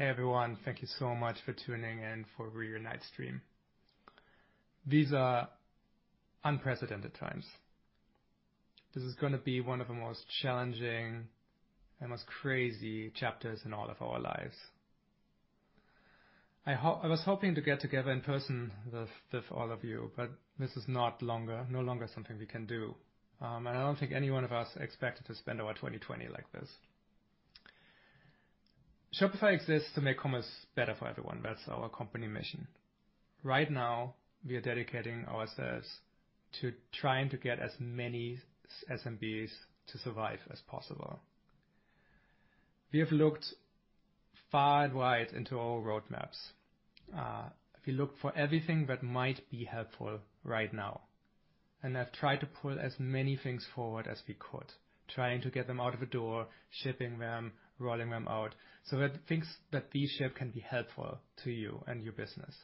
Hey everyone, thank you so much for tuning in for Reunite stream. These are unprecedented times. This is going to be one of the most challenging and most crazy chapters in all of our lives. I was hoping to get together in person with all of you, but this is no longer something we can do. I don't think any one of us expected to spend our 2020 like this. Shopify exists to make commerce better for everyone. That's our company mission. Right now, we are dedicating ourselves to trying to get as many SMBs to survive as possible. We have looked far and wide into our roadmaps. We looked for everything that might be helpful right now, and have tried to pull as many things forward as we could, trying to get them out of the door, shipping them, rolling them out, so that things that we ship can be helpful to you and your business.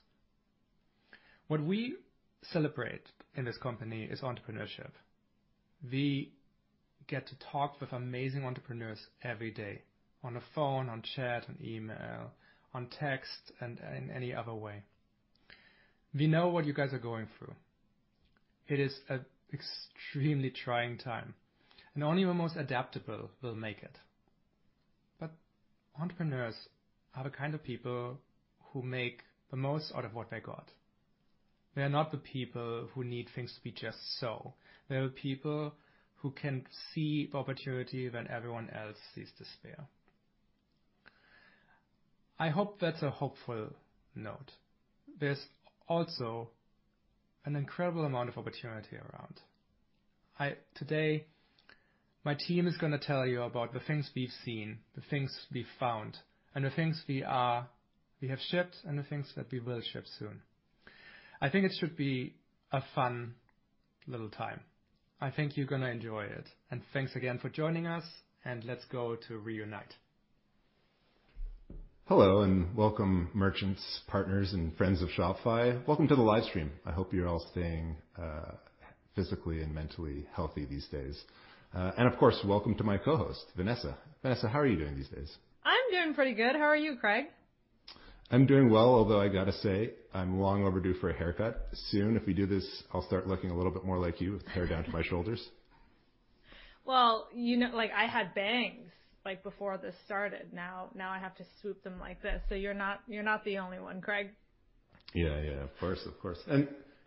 What we celebrate in this company is entrepreneurship. We get to talk with amazing entrepreneurs every day, on the phone, on chat and email, on text, and in any other way. We know what you guys are going through. It is an extremely trying time, and only the most adaptable will make it. Entrepreneurs are the kind of people who make the most out of what they got. They are not the people who need things to be just so. They are the people who can see opportunity when everyone else sees despair. I hope that's a hopeful note. There's also an incredible amount of opportunity around. Today, my team is going to tell you about the things we've seen, the things we've found, and the things we have shipped, and the things that we will ship soon. I think it should be a fun little time. I think you're going to enjoy it. Thanks again for joining us, and let's go to Reunite. Hello and welcome merchants, partners, and friends of Shopify. Welcome to the live stream. I hope you're all staying physically and mentally healthy these days. Of course, welcome to my co-host, Vanessa. Vanessa, how are you doing these days? I'm doing pretty good. How are you, Craig? I'm doing well, although I got to say, I'm long overdue for a haircut. Soon, if we do this, I'll start looking a little bit more like you with hair down to my shoulders. Well, I had bangs before this started. Now I have to swoop them like this. You're not the only one, Craig. Yeah. Of course.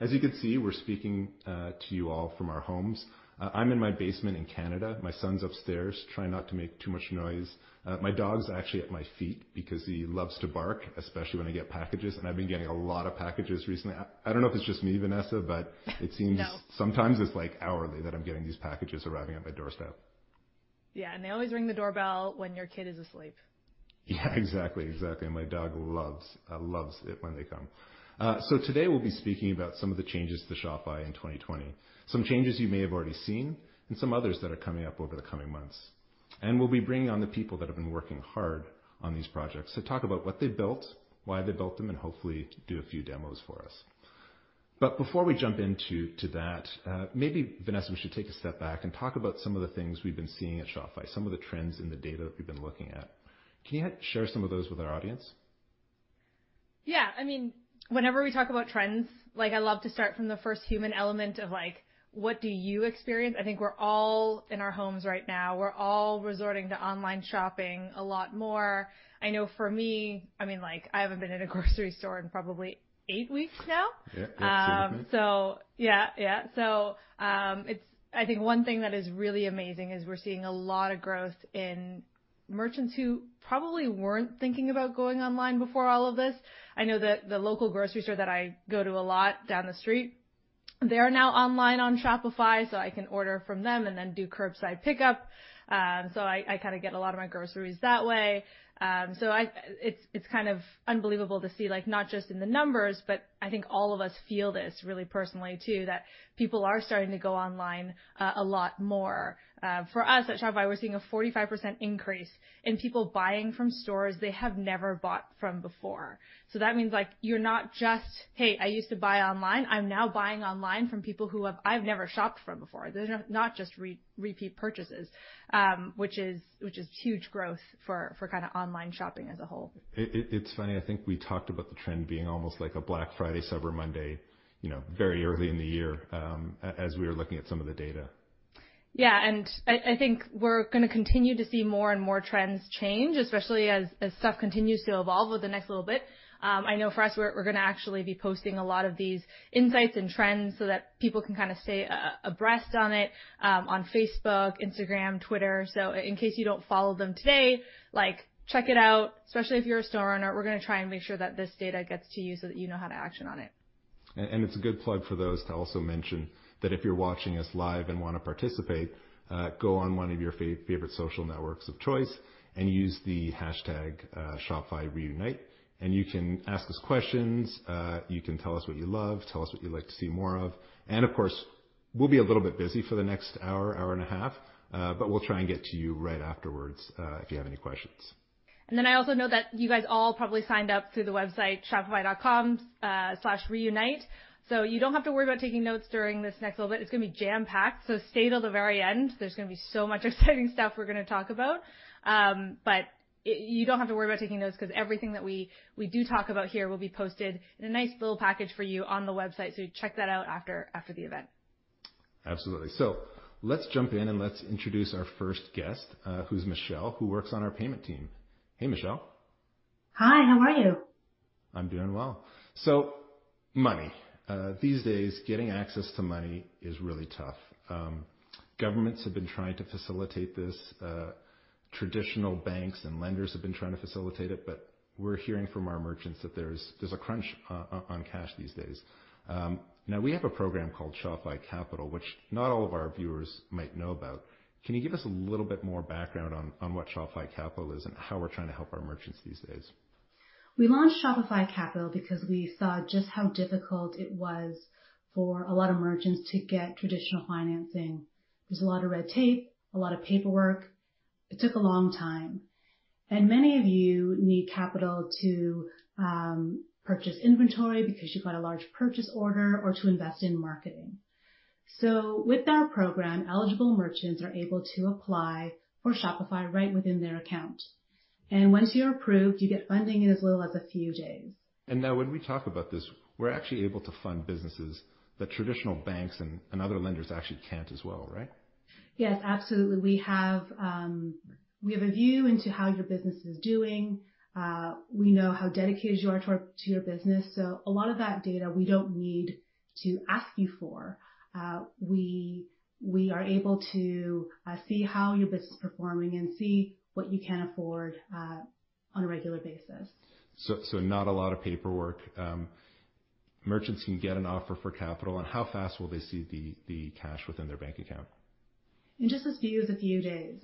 As you can see, we're speaking to you all from our homes. I'm in my basement in Canada. My son's upstairs, trying not to make too much noise. My dog's actually at my feet because he loves to bark, especially when I get packages, and I've been getting a lot of packages recently. I don't know if it's just me, Vanessa, but it seems- No sometimes it's hourly that I'm getting these packages arriving at my doorstep. Yeah, they always ring the doorbell when your kid is asleep. Yeah, exactly. My dog loves it when they come. Today we'll be speaking about some of the changes to Shopify in 2020. Some changes you may have already seen, and some others that are coming up over the coming months. We'll be bringing on the people that have been working hard on these projects to talk about what they built, why they built them, and hopefully do a few demos for us. Before we jump into that, maybe, Vanessa, we should take a step back and talk about some of the things we've been seeing at Shopify, some of the trends in the data that we've been looking at. Can you share some of those with our audience? Yeah. Whenever we talk about trends, I love to start from the first human element of what do you experience? I think we're all in our homes right now. We're all resorting to online shopping a lot more. I know for me, I haven't been in a grocery store in probably eight weeks now. Yeah. Absolutely. Yeah. I think one thing that is really amazing is we're seeing a lot of growth in merchants who probably weren't thinking about going online before all of this. I know that the local grocery store that I go to a lot down the street, they are now online on Shopify, so I can order from them and then do curbside pickup. I get a lot of my groceries that way. It's unbelievable to see, not just in the numbers, but I think all of us feel this really personally too, that people are starting to go online a lot more. For us at Shopify, we're seeing a 45% increase in people buying from stores they have never bought from before. That means you're not just, "Hey, I used to buy online. I'm now buying online from people who I've never shopped from before." They're not just repeat purchases, which is huge growth for online shopping as a whole. It's funny, I think we talked about the trend being almost like a Black Friday, Cyber Monday, very early in the year, as we were looking at some of the data. I think we're going to continue to see more and more trends change, especially as stuff continues to evolve over the next little bit. I know for us, we're going to actually be posting a lot of these insights and trends so that people can stay abreast on it, on Facebook, Instagram, Twitter. In case you don't follow them today, check it out, especially if you're a store owner. We're going to try and make sure that this data gets to you so that you know how to action on it. It's a good plug for those to also mention that if you're watching us live and want to participate, go on one of your favorite social networks of choice and use the hashtag #Shopify Reunite, and you can ask us questions, you can tell us what you love, tell us what you'd like to see more of. Of course, we'll be a little bit busy for the next hour and a half, but we'll try and get to you right afterwards, if you have any questions. I also know that you guys all probably signed up through the website shopify.com/reunite. You don't have to worry about taking notes during this next little bit. It's going to be jam-packed, so stay till the very end. There's going to be so much exciting stuff we're going to talk about. You don't have to worry about taking notes because everything that we do talk about here will be posted in a nice little package for you on the website. Check that out after the event. Absolutely. Let's jump in, and let's introduce our first guest, who's Michelle, who works on our payment team. Hey, Michelle. Hi, how are you? I'm doing well. Money. These days, getting access to money is really tough. Governments have been trying to facilitate this. Traditional banks and lenders have been trying to facilitate it, but we're hearing from our merchants that there's a crunch on cash these days. Now, we have a program called Shopify Capital, which not all of our viewers might know about. Can you give us a little bit more background on what Shopify Capital is and how we're trying to help our merchants these days? We launched Shopify Capital because we saw just how difficult it was for a lot of merchants to get traditional financing. There was a lot of red tape, a lot of paperwork. It took a long time. Many of you need capital to purchase inventory because you've got a large purchase order or to invest in marketing. With our program, eligible merchants are able to apply for Shopify Capital right within their account. Once you're approved, you get funding in as little as a few days. Now when we talk about this, we're actually able to fund businesses that traditional banks and other lenders actually can't as well, right? Yes, absolutely. We have a view into how your business is doing. We know how dedicated you are to your business. A lot of that data we don't need to ask you for. We are able to see how your business is performing and see what you can afford on a regular basis. Not a lot of paperwork. Merchants can get an offer for capital, and how fast will they see the cash within their bank account? In just a few days.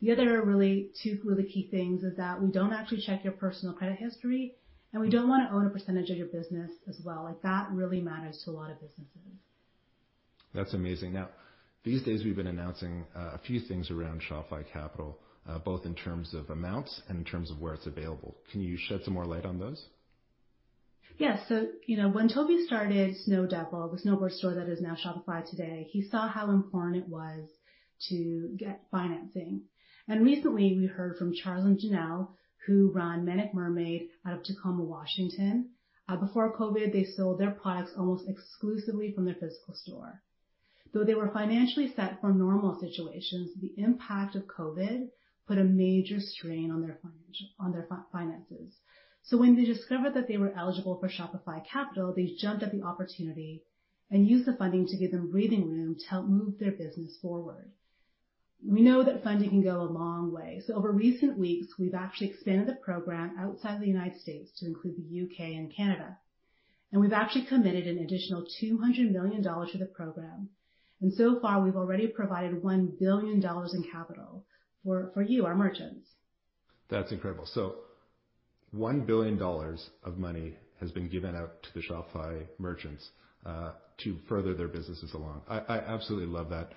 The other really two key things is that we don't actually check your personal credit history, and we don't want to own a percentage of your business as well. That really matters to a lot of businesses. That's amazing. These days, we've been announcing a few things around Shopify Capital, both in terms of amounts and in terms of where it's available. Can you shed some more light on those? Yes. When Tobi started Snowdevil, the snowboard store that is now Shopify today, he saw how important it was to get financing. Recently, we heard from Charlie and Janelle, who run Manic Mermaid out of Tacoma, Washington. Before COVID, they sold their products almost exclusively from their physical store. Though they were financially set for normal situations, the impact of COVID put a major strain on their finances. When they discovered that they were eligible for Shopify Capital, they jumped at the opportunity and used the funding to give them breathing room to help move their business forward. We know that funding can go a long way. Over recent weeks, we've actually expanded the program outside of the U.S. to include the U.K. and Canada. We've actually committed an additional $200 million to the program. So far, we've already provided $1 billion in Capital for you, our merchants. That's incredible. $1 billion of money has been given out to the Shopify merchants to further their businesses along. I absolutely love that.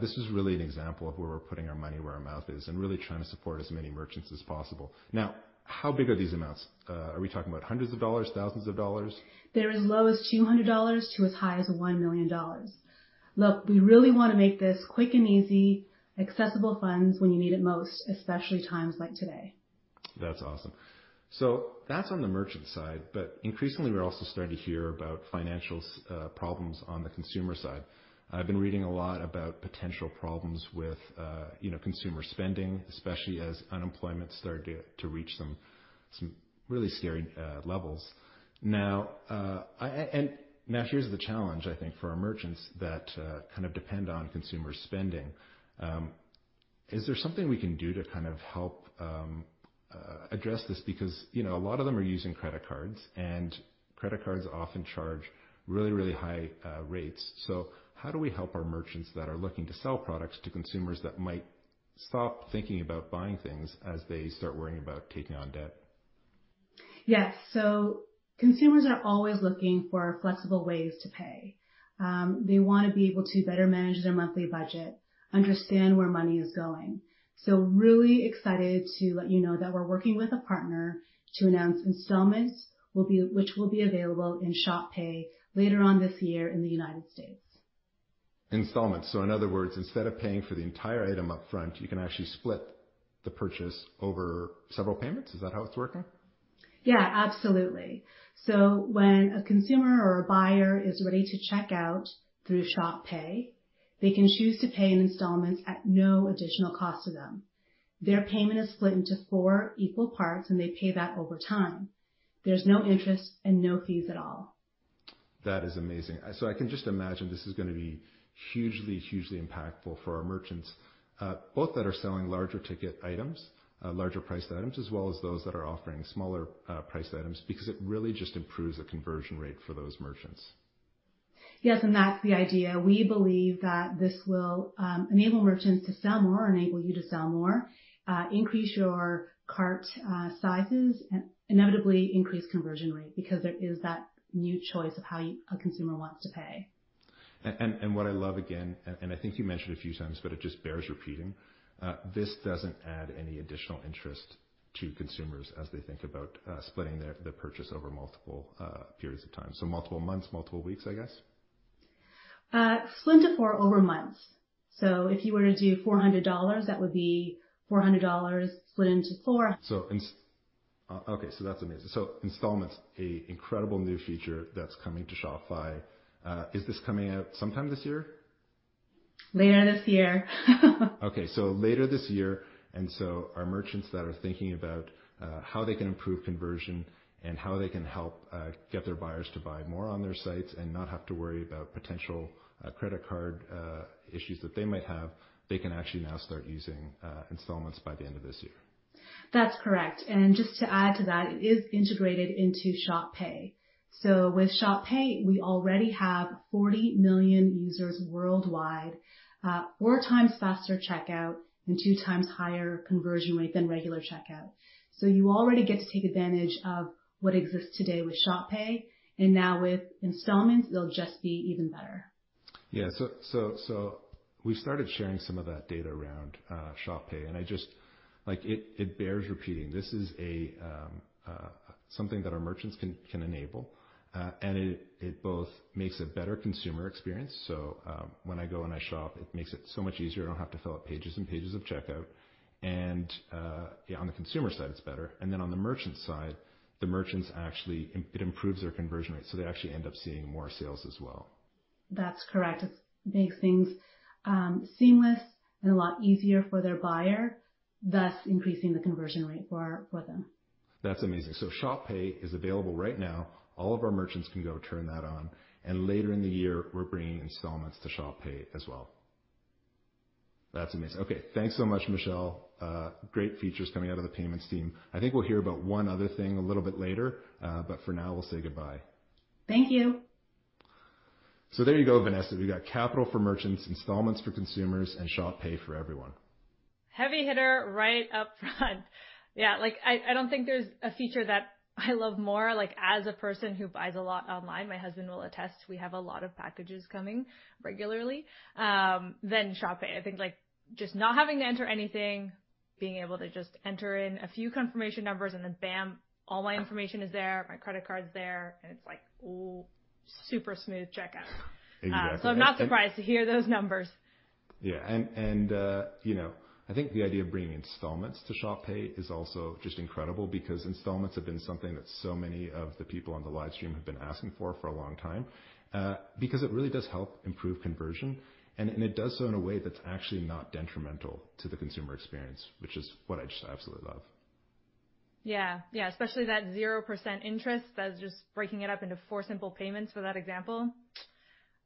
This is really an example of where we're putting our money where our mouth is and really trying to support as many merchants as possible. Now, how big are these amounts? Are we talking about hundreds of dollars, thousands of dollars? They're as low as $200 to as high as $1 million. Look, we really want to make this quick and easy, accessible funds when you need it most, especially times like today. That's awesome. That's on the merchant side. Increasingly, we're also starting to hear about financial problems on the consumer side. I've been reading a lot about potential problems with consumer spending, especially as unemployment started to reach some really scary levels. Now, here's the challenge, I think, for our merchants that depend on consumer spending. Is there something we can do to help address this? Because a lot of them are using credit cards, and credit cards often charge really, really high rates. How do we help our merchants that are looking to sell products to consumers that might stop thinking about buying things as they start worrying about taking on debt? Yes. Consumers are always looking for flexible ways to pay. They want to be able to better manage their monthly budget, understand where money is going. Really excited to let you know that we're working with a partner to announce installments, which will be available in Shop Pay later on this year in the United States. Installments. In other words, instead of paying for the entire item up front, you can actually split the purchase over several payments? Is that how it's working? Yeah, absolutely. When a consumer or a buyer is ready to check out through Shop Pay, they can choose to pay in installments at no additional cost to them. Their payment is split into four equal parts, and they pay that over time. There's no interest and no fees at all. That is amazing. I can just imagine this is going to be hugely impactful for our merchants, both that are selling larger ticket items, larger priced items, as well as those that are offering smaller priced items, because it really just improves the conversion rate for those merchants. Yes, that's the idea. We believe that this will enable merchants to sell more, enable you to sell more, increase your cart sizes, and inevitably increase conversion rate because there is that new choice of how a consumer wants to pay. What I love again, and I think you mentioned a few times, but it just bears repeating, this doesn't add any additional interest to consumers as they think about splitting the purchase over multiple periods of time. Multiple months, multiple weeks, I guess? Split into four over months. If you were to do $400, that would be $400 split into four. Okay. That's amazing. Installments, a incredible new feature that's coming to Shopify. Is this coming out sometime this year? Later this year. Okay. Later this year. Our merchants that are thinking about how they can improve conversion and how they can help get their buyers to buy more on their sites and not have to worry about potential credit card issues that they might have, they can actually now start using installments by the end of this year. That's correct. Just to add to that, it is integrated into Shop Pay. With Shop Pay, we already have 40 million users worldwide, four times faster checkout and two times higher conversion rate than regular checkout. You already get to take advantage of what exists today with Shop Pay. Now with installments, it'll just be even better. Yeah. We started sharing some of that data around Shop Pay, and it bears repeating. This is something that our merchants can enable. It both makes a better consumer experience. When I go and I shop, it makes it so much easier. I don't have to fill out pages and pages of checkout. On the consumer side, it's better. On the merchant side, the merchants actually, it improves their conversion rate, so they actually end up seeing more sales as well. That's correct. It makes things seamless and a lot easier for their buyer, thus increasing the conversion rate for them. That's amazing. Shop Pay is available right now. All of our merchants can go turn that on, and later in the year, we're bringing installments to Shop Pay as well. That's amazing. Okay. Thanks so much, Michelle. Great features coming out of the payments team. I think we'll hear about one other thing a little bit later. For now, we'll say goodbye. Thank you. There you go, Vanessa. We got capital for merchants, installments for consumers, and Shop Pay for everyone. Heavy hitter right up front. Yeah. I don't think there's a feature that I love more, as a person who buys a lot online, my husband will attest, we have a lot of packages coming regularly, than Shop Pay. I think just not having to enter anything, being able to just enter in a few confirmation numbers, and then bam, all my information is there, my credit card's there, and it's like super smooth checkout. Exactly. I'm not surprised to hear those numbers. Yeah. I think the idea of bringing installments to Shop Pay is also just incredible because installments have been something that so many of the people on the live stream have been asking for a long time. It really does help improve conversion, and it does so in a way that's actually not detrimental to the consumer experience, which is what I just absolutely love. Yeah. Especially that 0% interest that is just breaking it up into four simple payments for that example.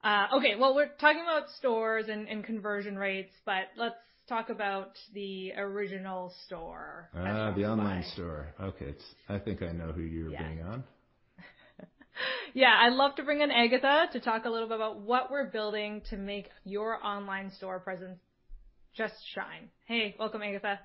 Okay, well, we are talking about stores and conversion rates, but let's talk about the original store at Shopify. The online store. Okay. I think I know who you're bringing on. Yeah. I'd love to bring in Agatha to talk a little bit about what we're building to make your online store presence just shine. Hey, welcome, Agatha.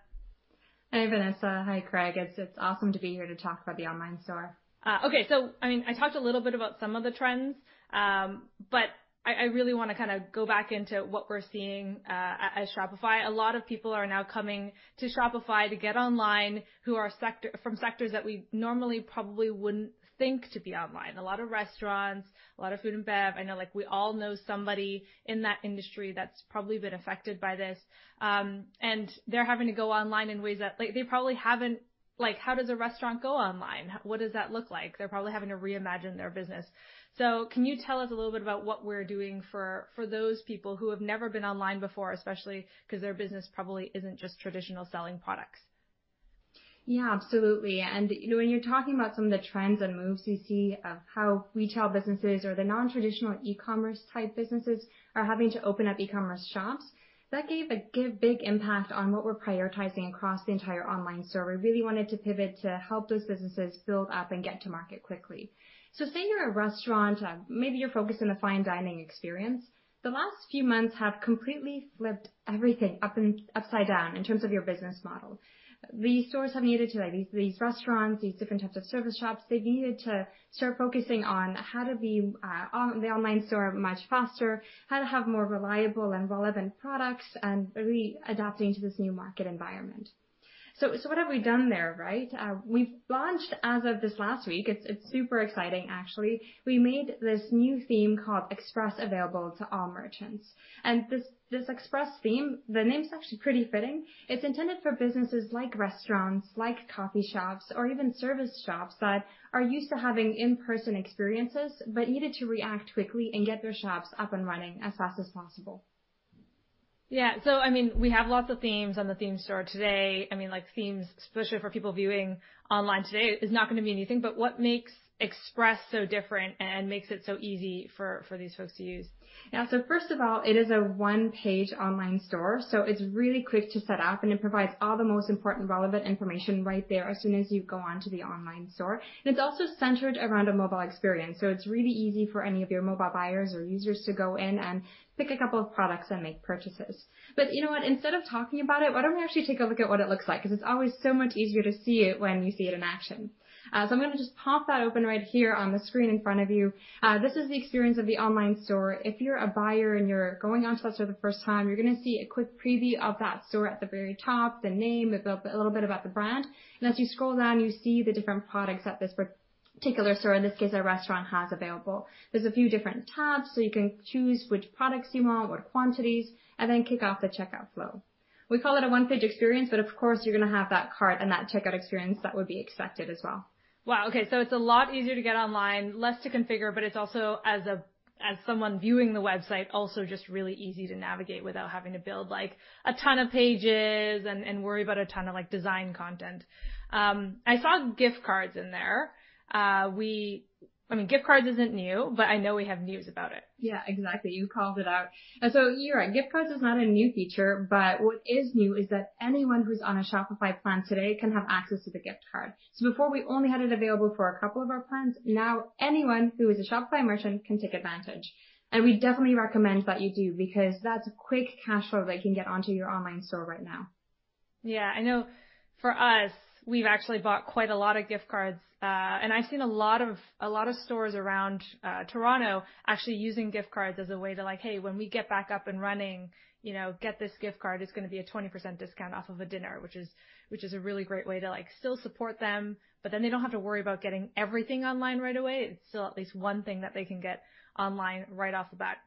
Hey, Vanessa. Hi, Craig. It's awesome to be here to talk about the online store. Okay. I talked a little bit about some of the trends, but I really want to go back into what we're seeing at Shopify. A lot of people are now coming to Shopify to get online from sectors that we normally probably wouldn't think to be online. A lot of restaurants, a lot of food and bev. I know we all know somebody in that industry that's probably been affected by this. They're having to go online in ways that they probably haven't. How does a restaurant go online? What does that look like? They're probably having to reimagine their business. Can you tell us a little bit about what we're doing for those people who have never been online before, especially because their business probably isn't just traditional selling products? Yeah, absolutely. When you're talking about some of the trends and moves you see of how retail businesses or the non-traditional e-commerce type businesses are having to open up e-commerce shops, that gave a big impact on what we're prioritizing across the entire online store. We really wanted to pivot to help those businesses build up and get to market quickly. Say you're a restaurant, maybe you're focused on a fine dining experience. The last few months have completely flipped everything upside down in terms of your business model. These restaurants, these different types of service shops, they've needed to start focusing on how to be the online store much faster, how to have more reliable and relevant products, and really adapting to this new market environment. What have we done there, right? We've launched, as of this last week, it's super exciting, actually. We made this new theme called Express available to all merchants. This Express theme, the name's actually pretty fitting. It's intended for businesses like restaurants, like coffee shops, or even service shops that are used to having in-person experiences, but needed to react quickly and get their shops up and running as fast as possible. Yeah. We have lots of themes on the theme store today. Themes, especially for people viewing online today, is not going to be a new thing, but what makes Express so different and makes it so easy for these folks to use? First of all, it is a one-page online store, so it's really quick to set up, and it provides all the most important, relevant information right there as soon as you go onto the online store. It's also centered around a mobile experience, so it's really easy for any of your mobile buyers or users to go in and pick a couple of products and make purchases. You know what? Instead of talking about it, why don't we actually take a look at what it looks like? It's always so much easier to see it when you see it in action. I'm going to just pop that open right here on the screen in front of you. This is the experience of the online store. If you're a buyer and you're going onto us for the first time, you're going to see a quick preview of that store at the very top, the name, a little bit about the brand. As you scroll down, you see the different products that this particular store, in this case, our restaurant has available. There's a few different tabs, you can choose which products you want, what quantities, kick off the checkout flow. We call it a one-page experience, of course, you're going to have that cart and that checkout experience that would be expected as well. Wow. Okay. It's a lot easier to get online, less to configure, but it's also, as someone viewing the website, also just really easy to navigate without having to build a ton of pages and worry about a ton of design content. I saw gift cards in there. Gift cards isn't new, but I know we have news about it. Yeah, exactly. You called it out. You're right, gift cards is not a new feature, but what is new is that anyone who's on a Shopify plan today can have access to the gift card. Before we only had it available for a couple of our plans, now anyone who is a Shopify merchant can take advantage. We definitely recommend that you do, because that's quick cash flow that can get onto your online store right now. Yeah. I know for us, we've actually bought quite a lot of gift cards. I've seen a lot of stores around Toronto actually using gift cards as a way to like, "Hey, when we get back up and running, get this gift card. It's going to be a 20% discount off of a dinner." Which is a really great way to still support them, but then they don't have to worry about getting everything online right away. It's still at least one thing that they can get online right off the bat.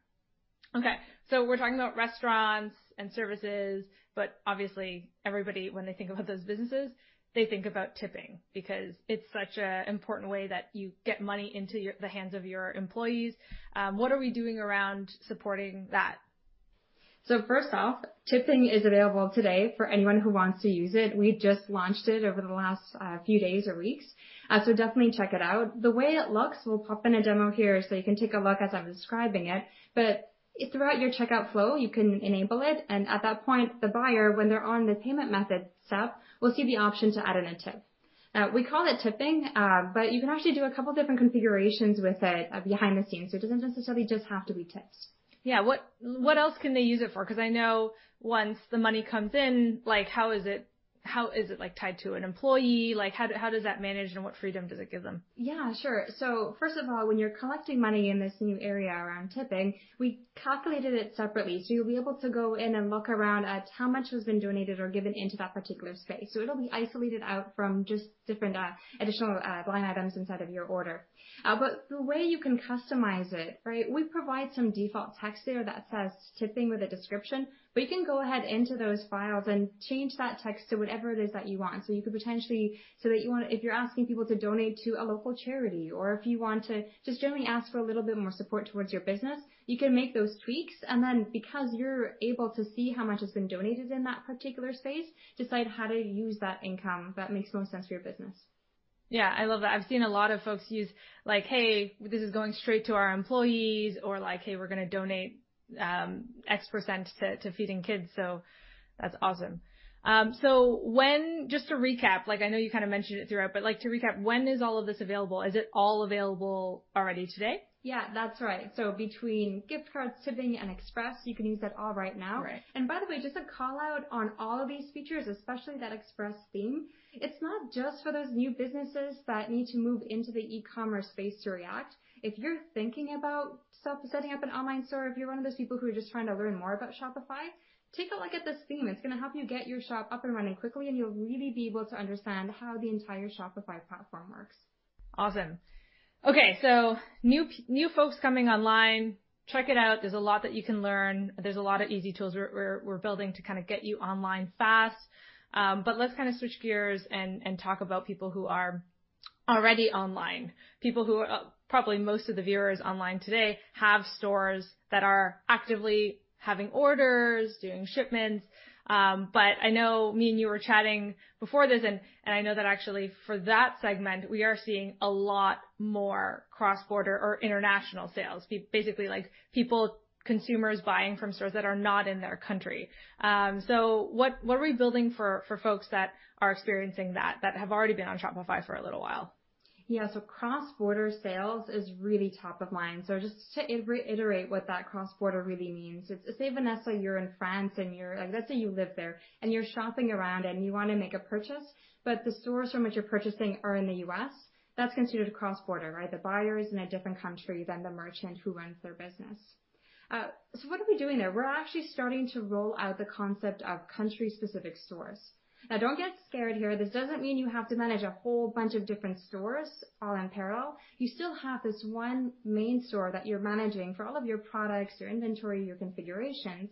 Okay. We're talking about restaurants and services, but obviously everybody, when they think about those businesses, they think about tipping because it's such an important way that you get money into the hands of your employees. What are we doing around supporting that? First off, tipping is available today for anyone who wants to use it. We just launched it over the last few days or weeks, so definitely check it out. The way it looks, we'll pop in a demo here so you can take a look as I'm describing it, but throughout your checkout flow, you can enable it. At that point, the buyer, when they're on the payment method step, will see the option to add in a tip. We call it tipping, but you can actually do a couple of different configurations with it behind the scenes. It doesn't necessarily just have to be tips. Yeah. What else can they use it for? Because I know once the money comes in, how is it tied to an employee? How does that manage and what freedom does it give them? Yeah, sure. First of all, when you're collecting money in this new area around tipping, we calculated it separately. You'll be able to go in and look around at how much has been donated or given into that particular space. It'll be isolated out from just different additional line items inside of your order. The way you can customize it, we provide some default text there that says "Tipping" with a description. You can go ahead into those files and change that text to whatever it is that you want. You could potentially, if you're asking people to donate to a local charity, or if you want to just generally ask for a little bit more support towards your business, you can make those tweaks. Because you're able to see how much has been donated in that particular space, decide how to use that income that makes most sense for your business. Yeah, I love that. I've seen a lot of folks use like, "Hey, this is going straight to our employees," or, "Hey, we're going to donate X% to feeding kids." That's awesome. Just to recap, I know you kind of mentioned it throughout, but to recap, when is all of this available? Is it all available already today? Yeah, that's right. Between gift cards, tipping, and Express, you can use that all right now. Right. By the way, just a call-out on all of these features, especially that Express theme, it's not just for those new businesses that need to move into the e-commerce space to react. If you're thinking about setting up an online store, if you're one of those people who are just trying to learn more about Shopify, take a look at this theme. It's going to help you get your shop up and running quickly, and you'll really be able to understand how the entire Shopify platform works. Awesome. Okay, new folks coming online, check it out. There's a lot that you can learn. There's a lot of easy tools we're building to kind of get you online fast. Let's switch gears and talk about people who are already online. People who are, probably most of the viewers online today, have stores that are actively having orders, doing shipments. I know me and you were chatting before this, and I know that actually for that segment, we are seeing a lot more cross-border or international sales. Basically people, consumers buying from stores that are not in their country. What are we building for folks that are experiencing that have already been on Shopify for a little while? Yeah. Cross-border sales is really top of mind. Just to reiterate what that cross-border really means, say, Vanessa, you're in France, let's say you live there and you're shopping around and you want to make a purchase, but the stores from which you're purchasing are in the U.S., that's considered cross-border, right? The buyer is in a different country than the merchant who runs their business. What are we doing there? We're actually starting to roll out the concept of country-specific stores. Now, don't get scared here. This doesn't mean you have to manage a whole bunch of different stores all in parallel. You still have this one main store that you're managing for all of your products, your inventory, your configurations.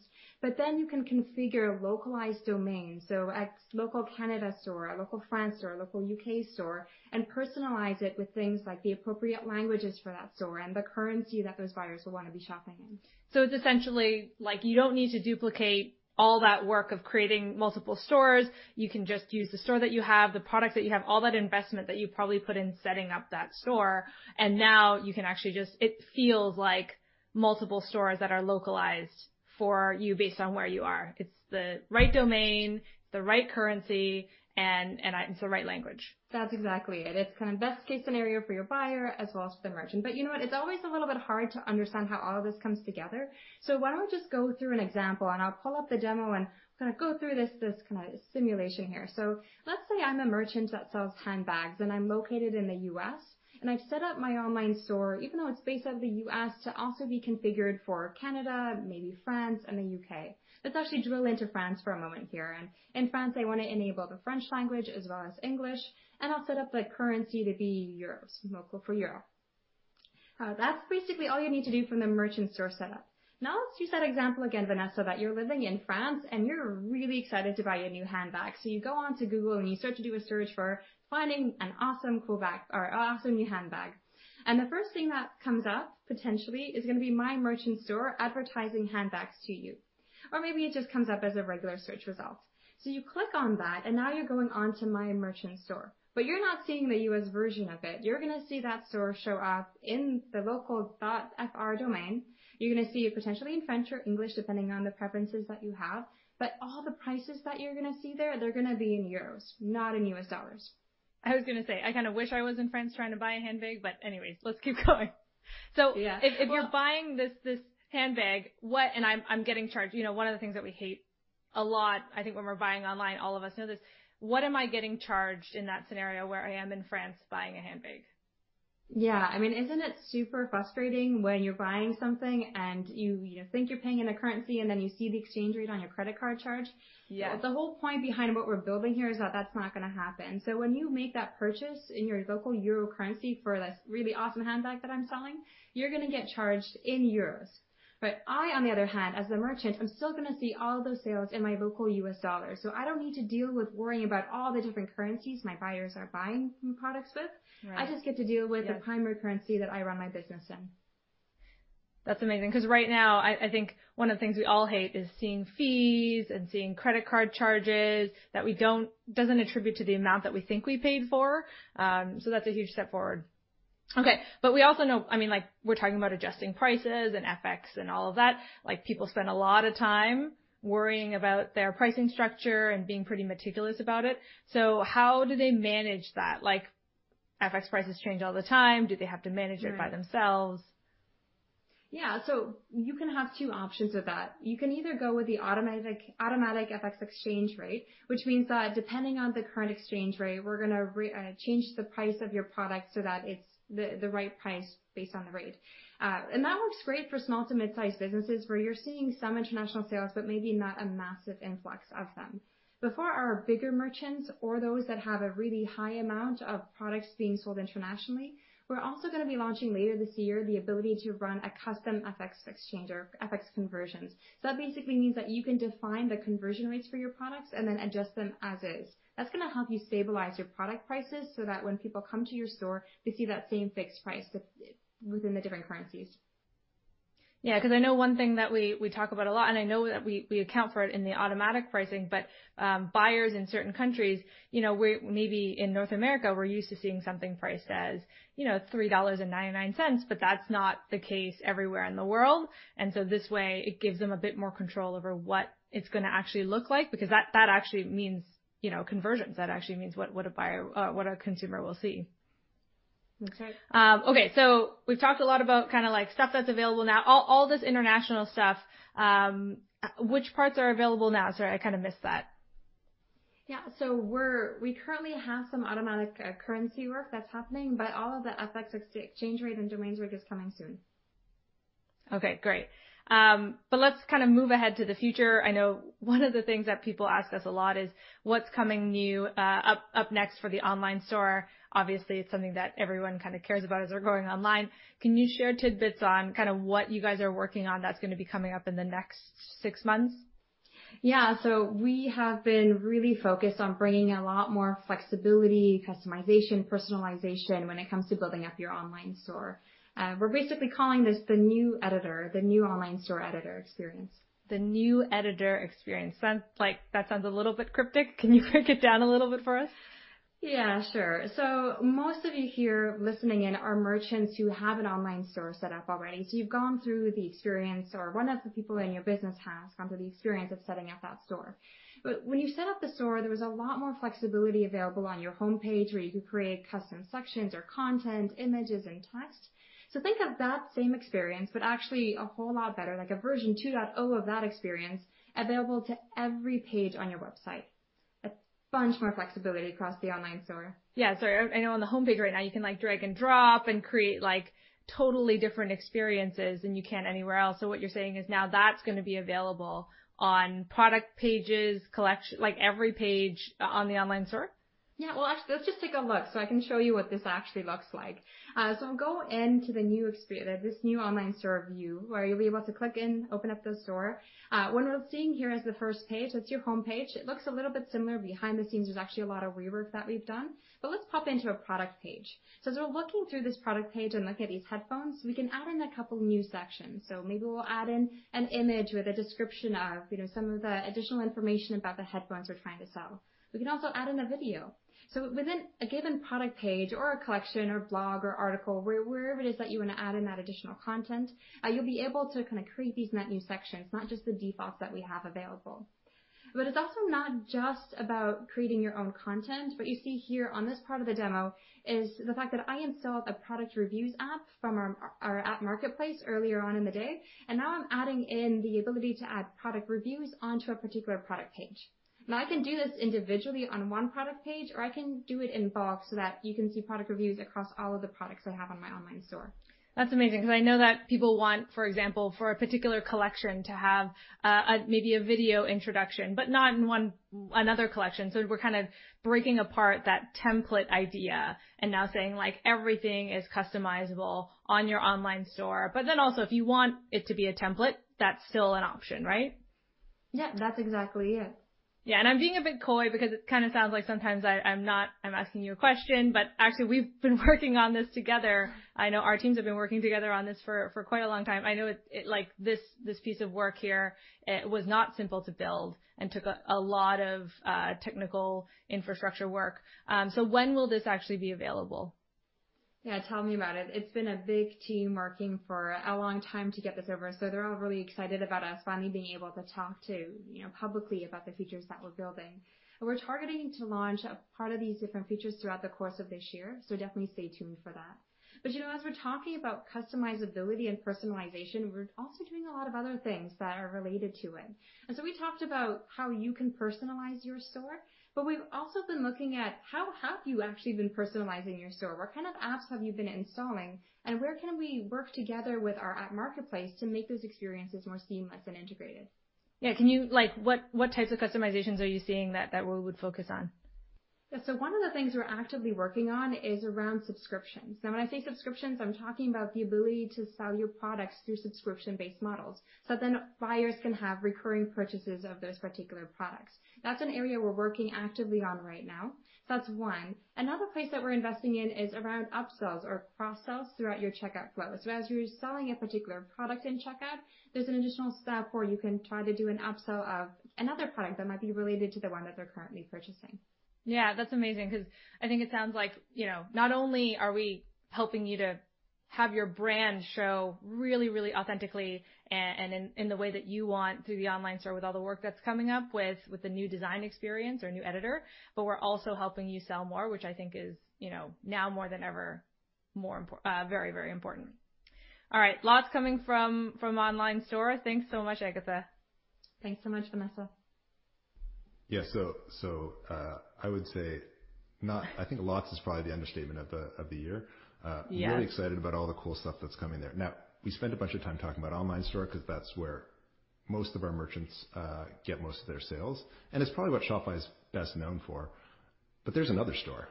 Then you can configure localized domains, so local Canada store, a local France store, a local U.K. store, and personalize it with things like the appropriate languages for that store and the currency that those buyers will want to be shopping in. It's essentially, you don't need to duplicate all that work of creating multiple stores. You can just use the store that you have, the products that you have, all that investment that you probably put in setting up that store, and now it feels like multiple stores that are localized for you based on where you are. It's the right domain, the right currency, and it's the right language. That's exactly it. It's kind of best case scenario for your buyer as well as for the merchant. You know what? It's always a little bit hard to understand how all of this comes together. Why don't we just go through an example and I'll pull up the demo and kind of go through this kind of simulation here. Let's say I'm a merchant that sells handbags and I'm located in the U.S., and I've set up my online store, even though it's based out of the U.S., to also be configured for Canada, maybe France, and the U.K. Let's actually drill into France for a moment here. In France, I want to enable the French language as well as English, and I'll set up the currency to be EUR, local for EUR. That's basically all you need to do from the merchant store setup. Let's use that example again, Vanessa, that you're living in France, and you're really excited to buy a new handbag. You go on to Google, and you start to do a search for finding an awesome new handbag. The first thing that comes up, potentially, is going to be my merchant store advertising handbags to you. Maybe it just comes up as a regular search result. You click on that, and now you're going on to my merchant store. You're not seeing the U.S. version of it. You're going to see that store show up in the local .fr domain. You're going to see it potentially in French or English, depending on the preferences that you have. All the prices that you're going to see there, they're going to be in euros, not in U.S. dollars. I was going to say, I kind of wish I was in France trying to buy a handbag. Anyways, let's keep going. Yeah. If you're buying this handbag and I'm getting charged One of the things that we hate a lot, I think, when we're buying online, all of us know this, what am I getting charged in that scenario where I am in France buying a handbag? Yeah. Isn't it super frustrating when you're buying something, and you think you're paying in a currency, and then you see the exchange rate on your credit card charge? Yeah. The whole point behind what we're building here is that that's not going to happen. When you make that purchase in your local euro currency for this really awesome handbag that I'm selling, you're going to get charged in euros. I, on the other hand, as the merchant, I'm still going to see all those sales in my local US dollars. I don't need to deal with worrying about all the different currencies my buyers are buying products with. Right. I just get to deal with- Yeah the primary currency that I run my business in. That's amazing, because right now, I think one of the things we all hate is seeing fees and seeing credit card charges that doesn't attribute to the amount that we think we paid for. That's a huge step forward. Okay. We also know, we're talking about adjusting prices and FX and all of that. People spend a lot of time worrying about their pricing structure and being pretty meticulous about it. How do they manage that? FX prices change all the time. Do they have to manage it- Right by themselves? Yeah. You can have two options with that. You can either go with the automatic FX exchange rate, which means that depending on the current exchange rate, we're going to change the price of your product so that it's the right price based on the rate. That works great for small to mid-size businesses, where you're seeing some international sales, but maybe not a massive influx of them. For our bigger merchants or those that have a really high amount of products being sold internationally, we're also going to be launching later this year the ability to run a custom FX exchange or FX conversions. That basically means that you can define the conversion rates for your products and then adjust them as is. That's going to help you stabilize your product prices so that when people come to your store, they see that same fixed price within the different currencies. Yeah, because I know one thing that we talk about a lot, and I know that we account for it in the automatic pricing, but buyers in certain countries, maybe in North America, we're used to seeing something priced as $3.99, but that's not the case everywhere in the world. This way, it gives them a bit more control over what it's going to actually look like because that actually means conversions. That actually means what a consumer will see. That's right. Okay. We've talked a lot about stuff that's available now. All this international stuff, which parts are available now? Sorry, I kind of missed that. Yeah. We currently have some automatic currency work that's happening, but all of the FX exchange rate and domains work is coming soon. Okay, great. Let's move ahead to the future. I know one of the things that people ask us a lot is what's coming new up next for the online store. Obviously, it's something that everyone kind of cares about as they're going online. Can you share tidbits on what you guys are working on that's going to be coming up in the next six months? Yeah. We have been really focused on bringing a lot more flexibility, customization, personalization when it comes to building up your online store. We're basically calling this the new editor, the new online store editor experience. The new editor experience. That sounds a little bit cryptic. Can you break it down a little bit for us? Yeah, sure. Most of you here listening in are merchants who have an online store set up already. You've gone through the experience, or one of the people in your business has gone through the experience of setting up that store. When you set up the store, there was a lot more flexibility available on your homepage where you could create custom sections or content, images, and text. Think of that same experience, but actually a whole lot better, like a version 2.0 of that experience available to every page on your website. A bunch more flexibility across the online store. Yeah. Sorry. I know on the homepage right now, you can drag and drop and create totally different experiences, and you can't anywhere else. What you're saying is now that's going to be available on product pages, every page on the online store? Yeah. Well, let's just take a look so I can show you what this actually looks like. I'll go into this new online store view, where you'll be able to click in, open up the store. What we're seeing here is the first page. That's your homepage. It looks a little bit similar behind the scenes. There's actually a lot of rework that we've done. Let's pop into a product page. As we're looking through this product page and looking at these headphones, we can add in a couple new sections. Maybe we'll add in an image with a description of some of the additional information about the headphones we're trying to sell. We can also add in a video. Within a given product page or a collection or blog or article, wherever it is that you want to add in that additional content, you'll be able to create these new sections, not just the defaults that we have available. It's also not just about creating your own content. What you see here on this part of the demo is the fact that I installed a product reviews app from our app marketplace earlier on in the day, and I'm adding in the ability to add product reviews onto a particular product page. I can do this individually on one product page, or I can do it in bulk so that you can see product reviews across all of the products I have on my online store. That's amazing, because I know that people want, for example, for a particular collection to have maybe a video introduction, but not in another collection. We're kind of breaking apart that template idea and now saying everything is customizable on your online store. Also, if you want it to be a template, that's still an option, right? Yeah, that's exactly it. Yeah. I'm being a bit coy because it kind of sounds like sometimes I'm asking you a question, but actually, we've been working on this together. I know our teams have been working together on this for quite a long time. I know this piece of work here, it was not simple to build and took a lot of technical infrastructure work. When will this actually be available? Tell me about it. It's been a big team working for a long time to get this over. They're all really excited about us finally being able to talk to, publicly about the features that we're building. We're targeting to launch a part of these different features throughout the course of this year. Definitely stay tuned for that. As we're talking about customizability and personalization, we're also doing a lot of other things that are related to it. We talked about how you can personalize your store, but we've also been looking at how have you actually been personalizing your store? What kind of apps have you been installing, and where can we work together with our app marketplace to make those experiences more seamless and integrated? Yeah. What types of customizations are you seeing that we would focus on? Yeah. One of the things we're actively working on is around subscriptions. Now, when I say subscriptions, I'm talking about the ability to sell your products through subscription-based models, so then buyers can have recurring purchases of those particular products. That's an area we're working actively on right now. That's one. Another place that we're investing in is around upsells or cross-sells throughout your checkout flow. As you're selling a particular product in checkout, there's an additional step where you can try to do an upsell of another product that might be related to the one that they're currently purchasing. Yeah, that's amazing because I think it sounds like, not only are we helping you to have your brand show really, really authentically and in the way that you want through the online store with all the work that's coming up with the new design experience or new editor, but we're also helping you sell more, which I think is, now more than ever, very important. All right. Lots coming from online store. Thanks so much, Agatha. Thanks so much, Vanessa. Yeah. I would say, I think lots is probably the understatement of the year. Yeah. Really excited about all the cool stuff that's coming there. We spend a bunch of time talking about online store because that's where most of our merchants get most of their sales, and it's probably what Shopify is best known for. There's another store.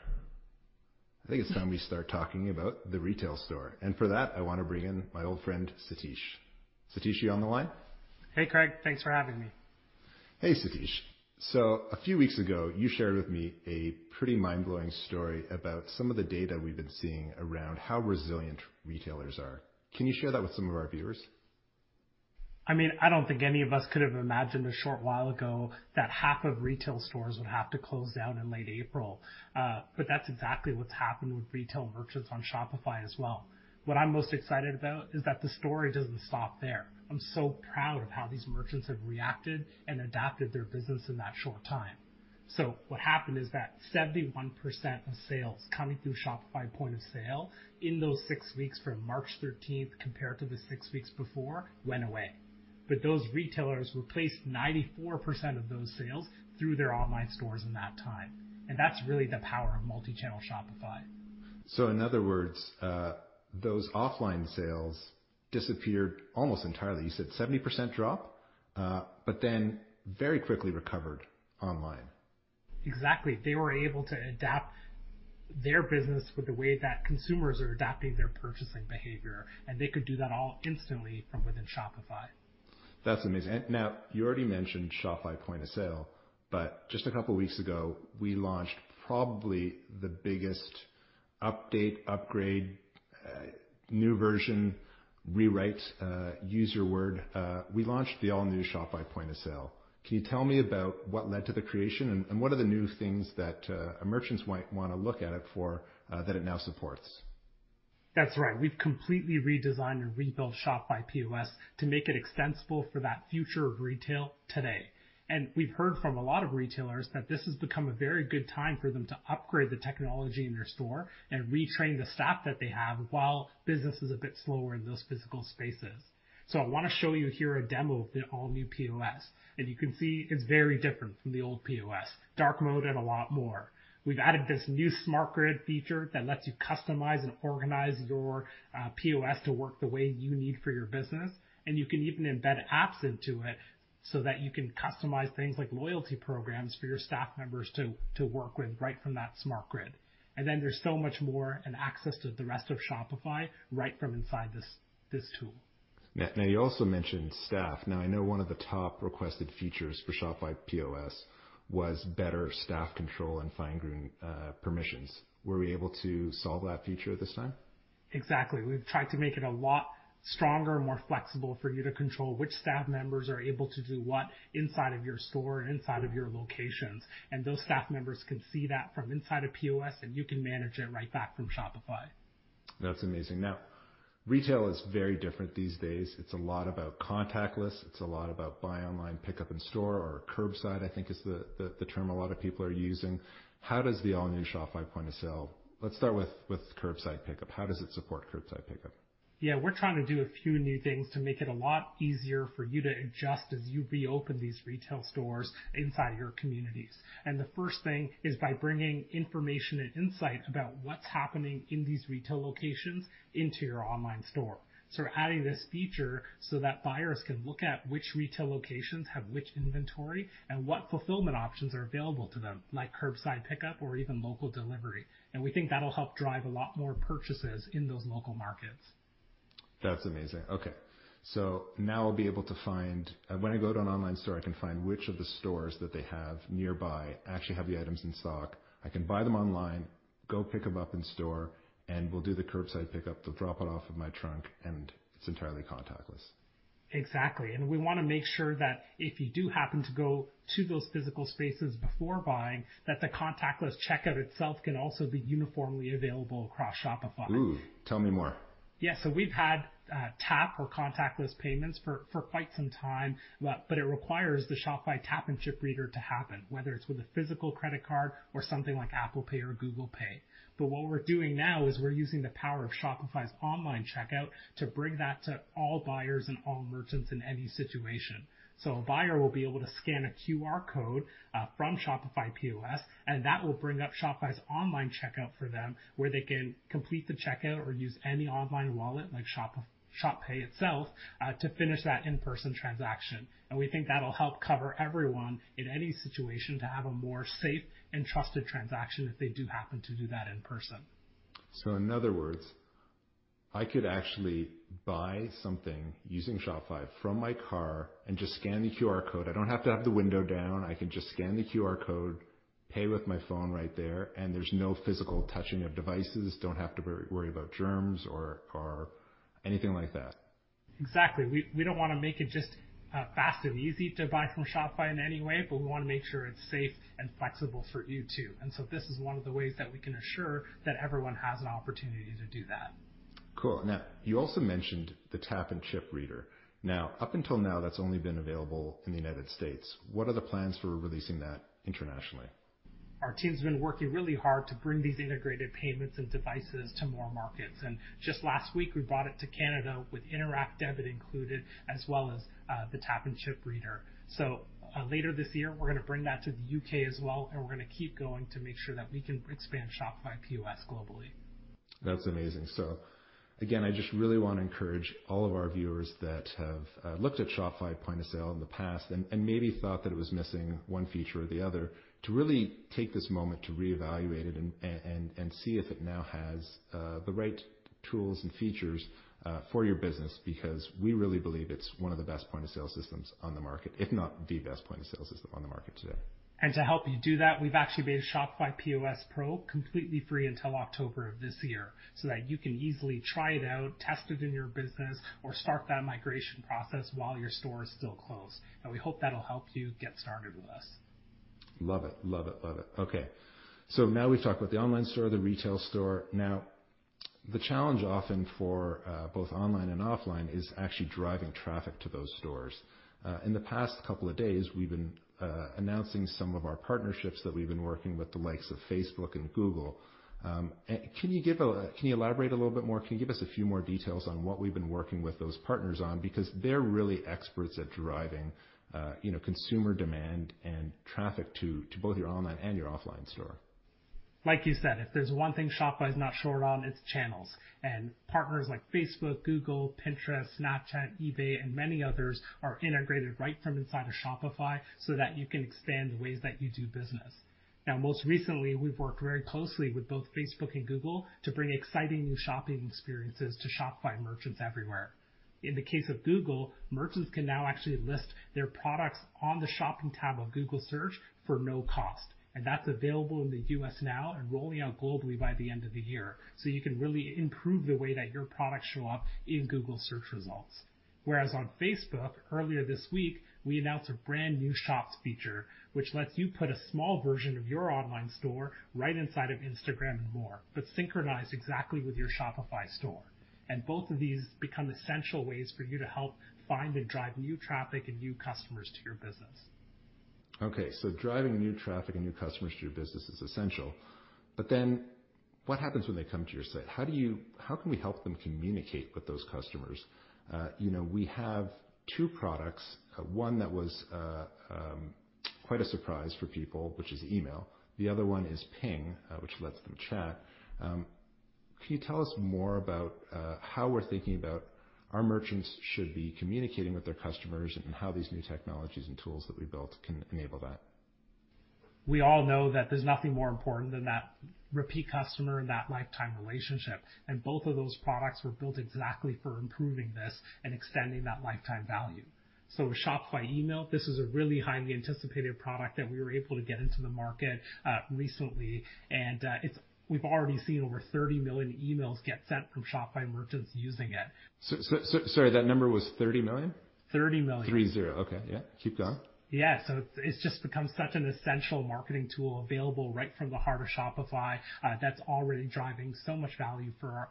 I think it's time we start talking about the retail store. For that, I want to bring in my old friend, Satish. Satish, you on the line? Hey, Craig. Thanks for having me. Hey, Satish. A few weeks ago, you shared with me a pretty mind-blowing story about some of the data we've been seeing around how resilient retailers are. Can you share that with some of our viewers? I don't think any of us could have imagined a short while ago that half of retail stores would have to close down in late April. That's exactly what's happened with retail merchants on Shopify as well. What I'm most excited about is that the story doesn't stop there. I'm so proud of how these merchants have reacted and adapted their business in that short time. What happened is that 71% of sales coming through Shopify POS in those six weeks from March 13th compared to the six weeks before, went away. Those retailers replaced 94% of those sales through their online stores in that time. That's really the power of multi-channel Shopify. In other words, those offline sales disappeared almost entirely. You said 70% drop, but then very quickly recovered online. Exactly. They were able to adapt their business with the way that consumers are adapting their purchasing behavior, and they could do that all instantly from within Shopify. That's amazing. Now, you already mentioned Shopify Point of Sale, just a couple of weeks ago, we launched probably the biggest update, upgrade, new version, rewrite, use your word. We launched the all-new Shopify Point of Sale. Can you tell me about what led to the creation and what are the new things that merchants might want to look at it for that it now supports? That's right. We've completely redesigned and rebuilt Shopify POS to make it extensible for that future of retail today. We've heard from a lot of retailers that this has become a very good time for them to upgrade the technology in their store and retrain the staff that they have while business is a bit slower in those physical spaces. I want to show you here a demo of the all-new POS. You can see it's very different from the old POS, dark mode and a lot more. We've added this new smart grid feature that lets you customize and organize your POS to work the way you need for your business, and you can even embed apps into it so that you can customize things like loyalty programs for your staff members to work with right from that smart grid. There's so much more and access to the rest of Shopify right from inside this tool. You also mentioned staff. I know one of the top requested features for Shopify POS was better staff control and fine-grained permissions. Were we able to solve that feature this time? Exactly. We've tried to make it a lot stronger and more flexible for you to control which staff members are able to do what inside of your store, inside of your locations. Those staff members can see that from inside of POS, and you can manage it right back from Shopify. That's amazing. Retail is very different these days. It's a lot about contactless. It's a lot about buy online, pickup in store, or curbside, I think is the term a lot of people are using. How does the all-new Shopify POS, let's start with curbside pickup. How does it support curbside pickup? We're trying to do a few new things to make it a lot easier for you to adjust as you reopen these retail stores inside your communities. The first thing is by bringing information and insight about what's happening in these retail locations into your online store. We're adding this feature so that buyers can look at which retail locations have which inventory and what fulfillment options are available to them, like curbside pickup or even local delivery. We think that'll help drive a lot more purchases in those local markets. That's amazing. Okay. Now when I go to an online store, I can find which of the stores that they have nearby actually have the items in stock. I can buy them online, go pick them up in store, and we'll do the curbside pickup. They'll drop it off in my trunk, and it's entirely contactless. Exactly. We want to make sure that if you do happen to go to those physical spaces before buying, that the contactless checkout itself can also be uniformly available across Shopify. Ooh, tell me more. We've had tap or contactless payments for quite some time, but it requires the Shopify Tap-and-Chip Reader to happen, whether it's with a physical credit card or something like Apple Pay or Google Pay. What we're doing now is we're using the power of Shopify's online checkout to bring that to all buyers and all merchants in any situation. A buyer will be able to scan a QR code, from Shopify POS, and that will bring up Shopify's online checkout for them, where they can complete the checkout or use any online wallet, like Shop Pay itself, to finish that in-person transaction. We think that'll help cover everyone in any situation to have a more safe and trusted transaction if they do happen to do that in person. In other words, I could actually buy something using Shopify from my car and just scan the QR code. I don't have to have the window down. I can just scan the QR code, pay with my phone right there, and there's no physical touching of devices. Don't have to worry about germs or anything like that. Exactly. We don't want to make it just fast and easy to buy from Shopify in any way, but we want to make sure it's safe and flexible for you, too. This is one of the ways that we can assure that everyone has an opportunity to do that. Cool. Now, you also mentioned the Tap & Chip Card Reader. Now, up until now, that's only been available in the U.S. What are the plans for releasing that internationally? Our team's been working really hard to bring these integrated payments and devices to more markets. Just last week, we brought it to Canada with Interac Debit included, as well as the Tap & Chip Card Reader. Later this year, we're going to bring that to the U.K. as well, and we're going to keep going to make sure that we can expand Shopify POS globally. That's amazing. Again, I just really want to encourage all of our viewers that have looked at Shopify Point of Sale in the past and maybe thought that it was missing one feature or the other, to really take this moment to reevaluate it and see if it now has the right tools and features for your business, because we really believe it's one of the best point-of-sale systems on the market, if not the best point-of-sale system on the market today. To help you do that, we've actually made Shopify POS Pro completely free until October of this year, so that you can easily try it out, test it in your business, or start that migration process while your store is still closed. We hope that'll help you get started with us. Love it. Okay. Now we've talked about the online store, the retail store. Now, the challenge often for both online and offline is actually driving traffic to those stores. In the past couple of days, we've been announcing some of our partnerships that we've been working with the likes of Facebook and Google. Can you elaborate a little bit more? Can you give us a few more details on what we've been working with those partners on? They're really experts at driving consumer demand and traffic to both your online and your offline store. Like you said, if there's one thing Shopify is not short on, it's channels. Partners like Facebook, Google, Pinterest, Snapchat, eBay, and many others are integrated right from inside of Shopify so that you can expand the ways that you do business. Most recently, we've worked very closely with both Facebook and Google to bring exciting new shopping experiences to Shopify merchants everywhere. In the case of Google, merchants can now actually list their products on the shopping tab of Google Search for no cost, and that's available in the U.S. now and rolling out globally by the end of the year. You can really improve the way that your products show up in Google Search results. On Facebook, earlier this week, we announced a brand-new shops feature, which lets you put a small version of your online store right inside of Instagram and more, but synchronized exactly with your Shopify store. Both of these become essential ways for you to help find and drive new traffic and new customers to your business. Driving new traffic and new customers to your business is essential. What happens when they come to your site? How can we help them communicate with those customers? We have two products, one that was quite a surprise for people, which is email. The other one is Ping, which lets them chat. Can you tell us more about how we're thinking about our merchants should be communicating with their customers and how these new technologies and tools that we built can enable that? We all know that there's nothing more important than that repeat customer and that lifetime relationship, and both of those products were built exactly for improving this and extending that lifetime value. With Shopify Email, this is a really highly anticipated product that we were able to get into the market recently, and we've already seen over 30 million emails get sent from Shopify merchants using it. Sorry, that number was $30 million? $30 million. Three, zero. Okay. Yeah. Keep going. Yeah. It's just become such an essential marketing tool available right from the heart of Shopify, that's already driving so much value for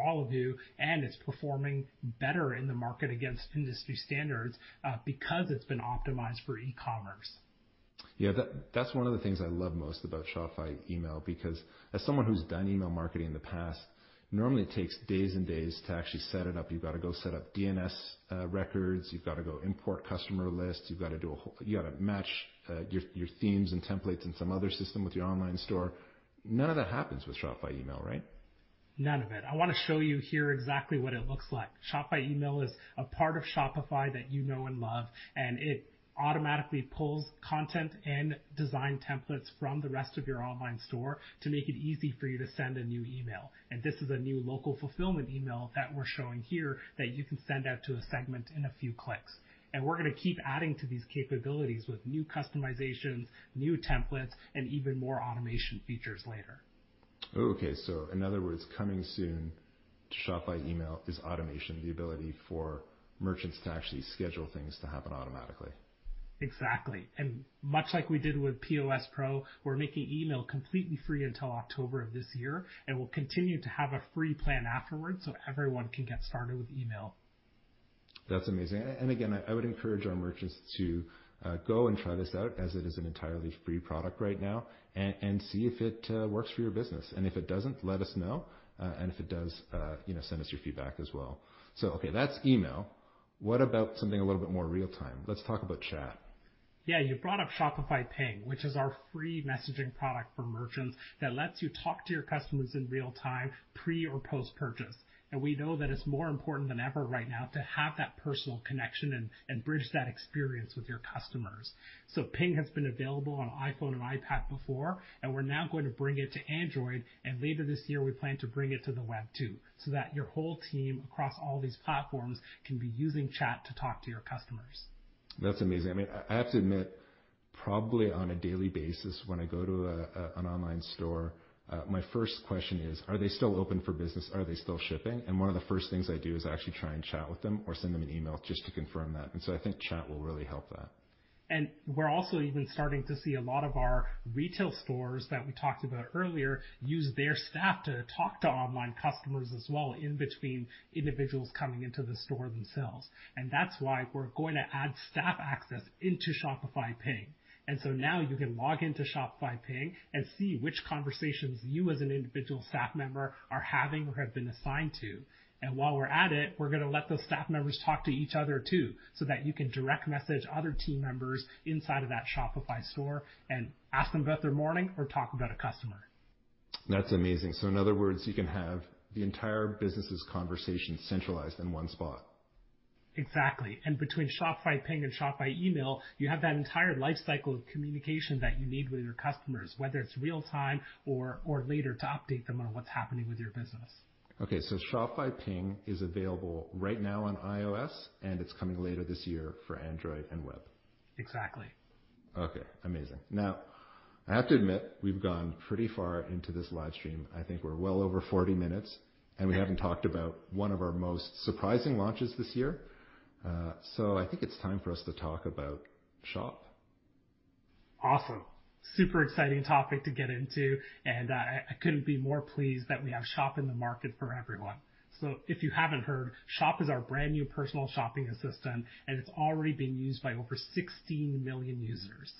all of you, and it's performing better in the market against industry standards because it's been optimized for e-commerce. Yeah. That's one of the things I love most about Shopify Email, because as someone who's done email marketing in the past, normally it takes days and days to actually set it up. You've got to go set up DNS records. You've got to go import customer lists. You've got to match your themes and templates in some other system with your online store. None of that happens with Shopify Email, right? None of it. I want to show you here exactly what it looks like. Shopify Email is a part of Shopify that you know and love, and it automatically pulls content and design templates from the rest of your online store to make it easy for you to send a new email. This is a new local fulfillment email that we're showing here that you can send out to a segment in a few clicks. We're going to keep adding to these capabilities with new customizations, new templates, and even more automation features later. Okay. In other words, coming soon to Shopify Email is automation, the ability for merchants to actually schedule things to happen automatically. Exactly. Much like we did with Shopify POS Pro, we're making Email completely free until October of this year, and we'll continue to have a free plan afterwards so everyone can get started with Email. That's amazing. Again, I would encourage our merchants to go and try this out as it is an entirely free product right now, and see if it works for your business. If it doesn't, let us know. If it does, send us your feedback as well. Okay, that's email. What about something a little bit more real-time? Let's talk about chat. Yeah. You brought up Shopify Ping, which is our free messaging product for merchants that lets you talk to your customers in real time, pre or post-purchase. We know that it's more important than ever right now to have that personal connection and bridge that experience with your customers. Ping has been available on iPhone and iPad before, and we're now going to bring it to Android, and later this year, we plan to bring it to the web too, so that your whole team across all these platforms can be using chat to talk to your customers. That's amazing. I have to admit, probably on a daily basis, when I go to an online store, my first question is: Are they still open for business? Are they still shipping? One of the first things I do is I actually try and chat with them or send them an email just to confirm that. I think chat will really help that. We're also even starting to see a lot of our retail stores that we talked about earlier, use their staff to talk to online customers as well in between individuals coming into the store themselves. That's why we're going to add staff access into Shopify Ping. Now you can log into Shopify Ping and see which conversations you as an individual staff member are having or have been assigned to. While we're at it, we're going to let those staff members talk to each other too, so that you can direct message other team members inside of that Shopify store and ask them about their morning or talk about a customer. That's amazing. In other words, you can have the entire business' conversation centralized in one spot. Exactly. Between Shopify Ping and Shopify Email, you have that entire life cycle of communication that you need with your customers, whether it's real time or later to update them on what's happening with your business. Okay. Shopify Ping is available right now on iOS, and it's coming later this year for Android and web. Exactly. Okay. Amazing. I have to admit, we've gone pretty far into this live stream. I think we're well over 40 minutes, and we haven't talked about one of our most surprising launches this year. I think it's time for us to talk about Shop. Awesome. Super exciting topic to get into. I couldn't be more pleased that we have Shop in the market for everyone. If you haven't heard, Shop is our brand-new personal shopping assistant, and it's already being used by over 16 million users.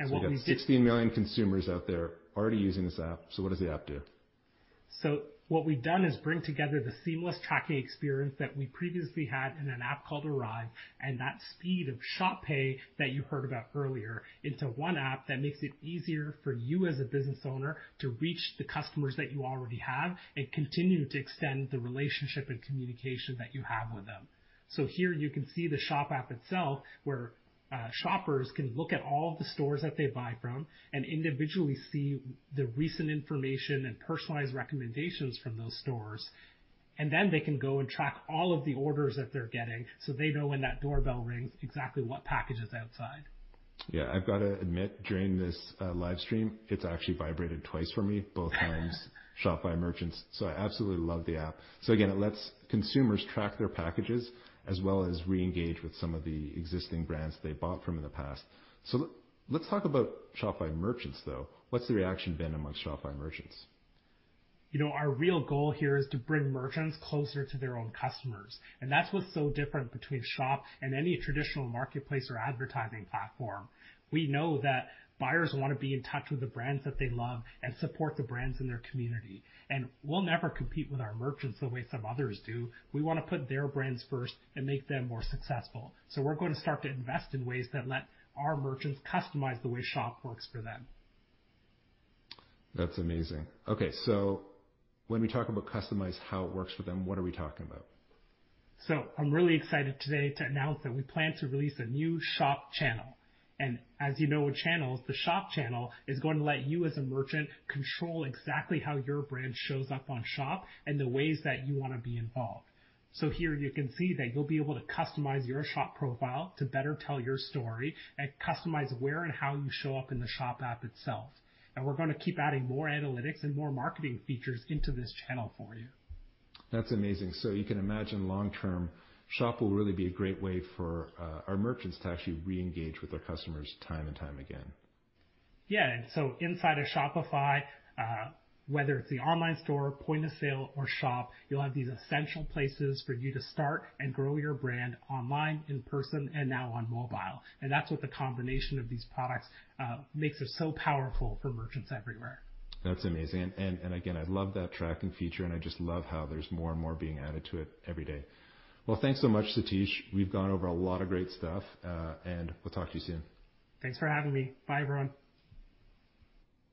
We got 16 million consumers out there already using this app. What does the app do? What we've done is bring together the seamless tracking experience that we previously had in an app called Arrive, and that speed of Shop Pay that you heard about earlier into one app that makes it easier for you as a business owner to reach the customers that you already have and continue to extend the relationship and communication that you have with them. Here you can see the Shop app itself, where shoppers can look at all the stores that they buy from and individually see the recent information and personalized recommendations from those stores, and then they can go and track all of the orders that they're getting so they know when that doorbell rings exactly what package is outside. I've got to admit, during this live stream, it's actually vibrated twice for me, both times Shopify merchants. I absolutely love the app. Again, it lets consumers track their packages as well as reengage with some of the existing brands they bought from in the past. Let's talk about Shopify merchants, though. What's the reaction been amongst Shopify merchants? Our real goal here is to bring merchants closer to their own customers, and that's what's so different between Shop and any traditional marketplace or advertising platform. We know that buyers want to be in touch with the brands that they love and support the brands in their community, and we'll never compete with our merchants the way some others do. We want to put their brands first and make them more successful. We're going to start to invest in ways that let our merchants customize the way Shop works for them. That's amazing. Okay, when we talk about customize how it works for them, what are we talking about? I'm really excited today to announce that we plan to release a new Shop channel. As you know with channels, the Shop channel is going to let you as a merchant control exactly how your brand shows up on Shop and the ways that you want to be involved. Here you can see that you'll be able to customize your Shop profile to better tell your story and customize where and how you show up in the Shop app itself. We're going to keep adding more analytics and more marketing features into this channel for you. That's amazing. You can imagine long term, Shop will really be a great way for our merchants to actually reengage with their customers time and time again. Yeah. Inside of Shopify, whether it's the online store, point of sale, or Shop, you'll have these essential places for you to start and grow your brand online, in person, and now on mobile. That's what the combination of these products makes it so powerful for merchants everywhere. That's amazing. Again, I love that tracking feature, and I just love how there's more and more being added to it every day. Well, thanks so much, Satish. We've gone over a lot of great stuff, and we'll talk to you soon. Thanks for having me. Bye, everyone.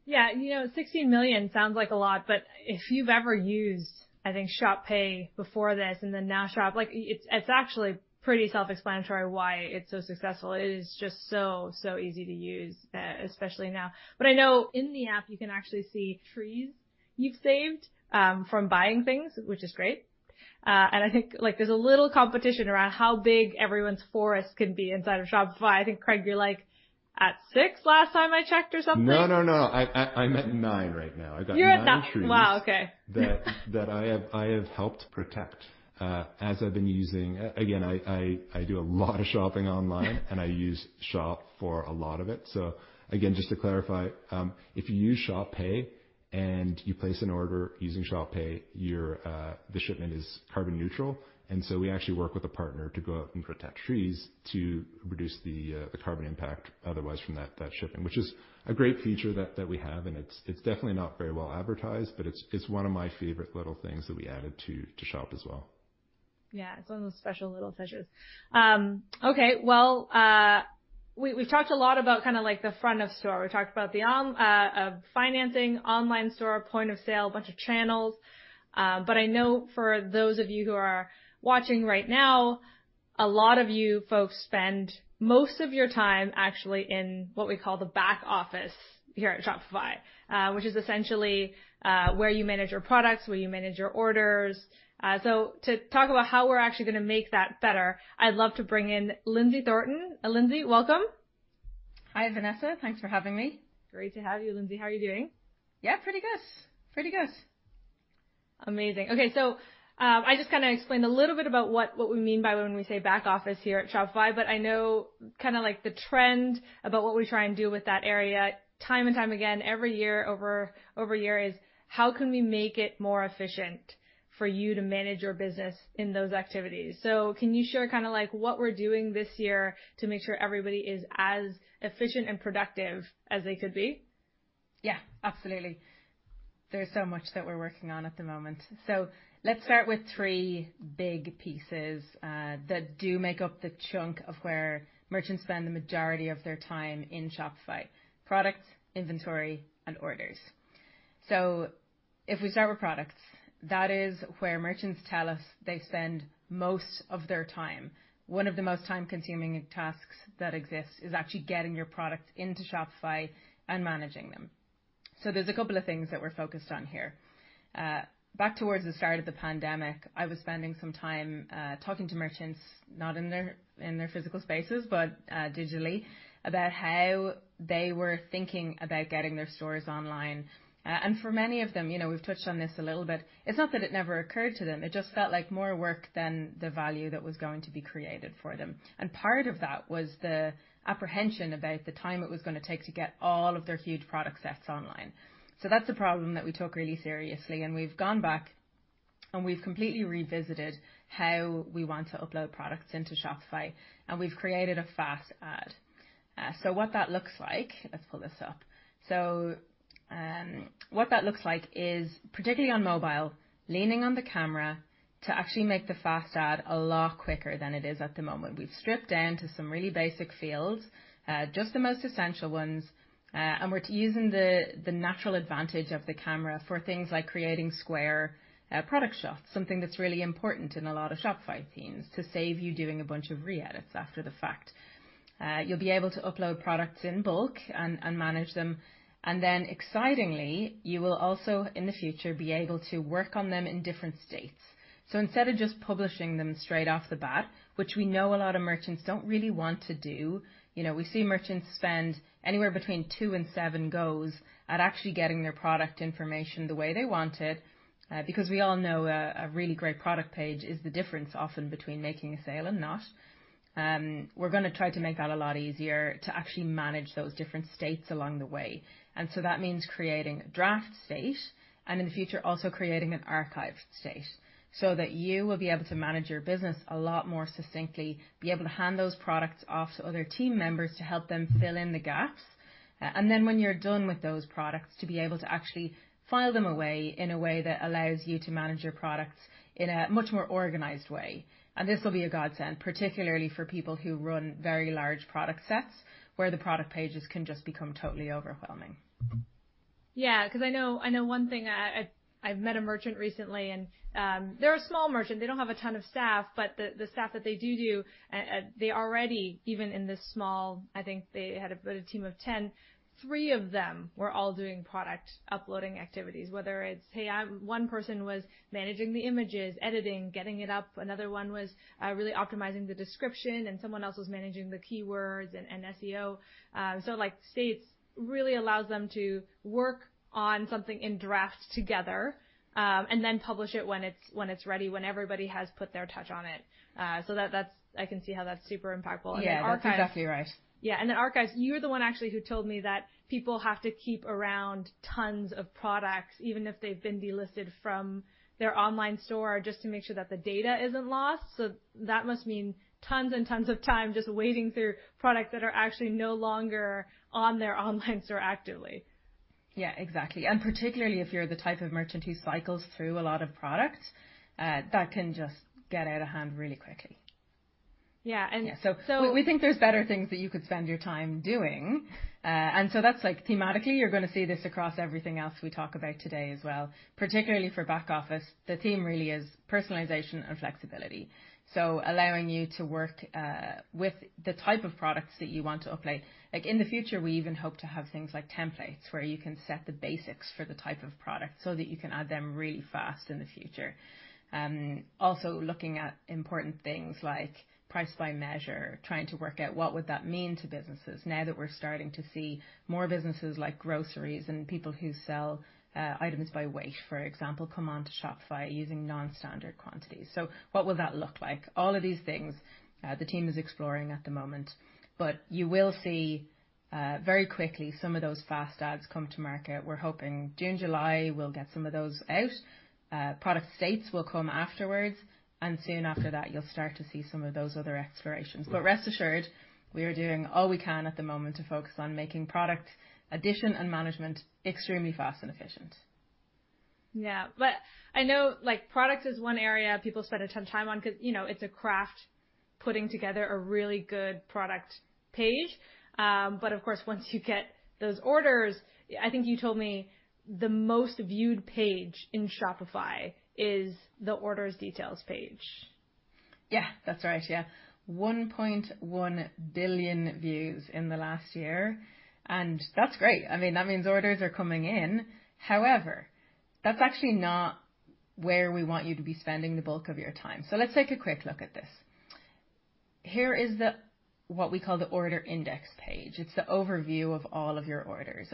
Yeah. 16 million sounds like a lot, but if you've ever used, I think, Shop Pay before this and then now Shop, it's actually pretty self-explanatory why it's so successful. It is just so easy to use, especially now. I know in the app you can actually see trees you've saved from buying things, which is great. I think there's a little competition around how big everyone's forest can be inside of Shopify. I think, Craig, you're like at six last time I checked or something? No. I'm at nine right now. I've got nine trees. You're at nine. Wow, okay. that I have helped protect as I've been using. Again, I do a lot of shopping online, and I use Shop for a lot of it. Again, just to clarify, if you use Shop Pay and you place an order using Shop Pay, the shipment is carbon neutral. We actually work with a partner to go out and protect trees to reduce the carbon impact otherwise from that shipment, which is a great feature that we have. It's definitely not very well advertised, but it's one of my favorite little things that we added to Shop as well. Yeah. It's one of those special little touches. Well, we've talked a lot about the front of store. We've talked about financing, online store, point of sale, bunch of channels. I know for those of you who are watching right now, a lot of you folks spend most of your time actually in what we call the back office here at Shopify, which is essentially where you manage your products, where you manage your orders. To talk about how we're actually going to make that better, I'd love to bring in Lynsey Thornton. Lynsey, welcome. Hi, Vanessa. Thanks for having me. Great to have you, Lynsey. How are you doing? Yeah, pretty good. Amazing. Okay. I just explained a little bit about what we mean by when we say back office here at Shopify. I know the trend about what we try and do with that area time and time again, every year-over-year is how can we make it more efficient for you to manage your business in those activities? Can you share what we're doing this year to make sure everybody is as efficient and productive as they could be? Yeah. Absolutely. There's so much that we're working on at the moment. Let's start with three big pieces that do make up the chunk of where merchants spend the majority of their time in Shopify: product, inventory, and orders. If we start with products, that is where merchants tell us they spend most of their time. One of the most time-consuming tasks that exists is actually getting your product into Shopify and managing them. There's a couple of things that we're focused on here. Back towards the start of the pandemic, I was spending some time talking to merchants, not in their physical spaces, but digitally, about how they were thinking about getting their stores online. For many of them, we've touched on this a little bit, it's not that it never occurred to them. It just felt like more work than the value that was going to be created for them. Part of that was the apprehension about the time it was going to take to get all of their huge product sets online. That's a problem that we took really seriously, and we've gone back, and we've completely revisited how we want to upload products into Shopify, and we've created a fast add. What that looks like, let's pull this up. What that looks like is, particularly on mobile, leaning on the camera to actually make the fast add a lot quicker than it is at the moment. We've stripped down to some really basic fields, just the most essential ones, and we're using the natural advantage of the camera for things like creating square product shots, something that's really important in a lot of Shopify themes to save you doing a bunch of re-edits after the fact. You'll be able to upload products in bulk and manage them. Excitingly, you will also, in the future, be able to work on them in different states. Instead of just publishing them straight off the bat, which we know a lot of merchants don't really want to do. We see merchants spend anywhere between two and seven goes at actually getting their product information the way they want it. We all know a really great product page is the difference often between making a sale and not. We're going to try to make that a lot easier to actually manage those different states along the way. That means creating a draft state and in the future also creating an archive state so that you will be able to manage your business a lot more succinctly, be able to hand those products off to other team members to help them fill in the gaps. When you're done with those products, to be able to actually file them away in a way that allows you to manage your products in a much more organized way. This will be a godsend, particularly for people who run very large product sets where the product pages can just become totally overwhelming. Yeah. I know one thing. I've met a merchant recently and they're a small merchant. They don't have a ton of staff. The staff that they do, they already, even in this small, I think they had a team of 10, three of them were all doing product uploading activities. Whether it's, hey, one person was managing the images, editing, getting it up. Another one was really optimizing the description, and someone else was managing the keywords and SEO. States really allows them to work on something in draft together and then publish it when it's ready, when everybody has put their touch on it. I can see how that's super impactful. Archives. Yeah. That's exactly right. Yeah. Archives, you're the one actually who told me that people have to keep around tons of products, even if they've been delisted from their online store, just to make sure that the data isn't lost. That must mean tons and tons of time just wading through products that are actually no longer on their online store actively. Yeah. Exactly. Particularly if you're the type of merchant who cycles through a lot of products, that can just get out of hand really quickly. Yeah. Yeah. We think there's better things that you could spend your time doing. That's thematically, you're going to see this across everything else we talk about today as well. Particularly for back office, the theme really is personalization and flexibility. Allowing you to work with the type of products that you want to upload. In the future, we even hope to have things like templates, where you can set the basics for the type of product so that you can add them really fast in the future. Also looking at important things like price by measure, trying to work out what would that mean to businesses now that we're starting to see more businesses like groceries and people who sell items by weight, for example, come onto Shopify using non-standard quantities. What will that look like? All of these things the team is exploring at the moment. You will see very quickly some of those fast adds come to market. We're hoping June, July, we'll get some of those out. Product states will come afterwards, and soon after that, you'll start to see some of those other explorations. Rest assured, we are doing all we can at the moment to focus on making product addition and management extremely fast and efficient. Yeah. I know product is one area people spend a ton of time on because it's a craft putting together a really good product page. Of course, once you get those orders, I think you told me the most viewed page in Shopify is the orders details page. Yeah. That's right. 1.1 billion views in the last year, and that's great. That means orders are coming in. However, that's actually not where we want you to be spending the bulk of your time. Let's take a quick look at this. Here is what we call the order index page. It's the overview of all of your orders.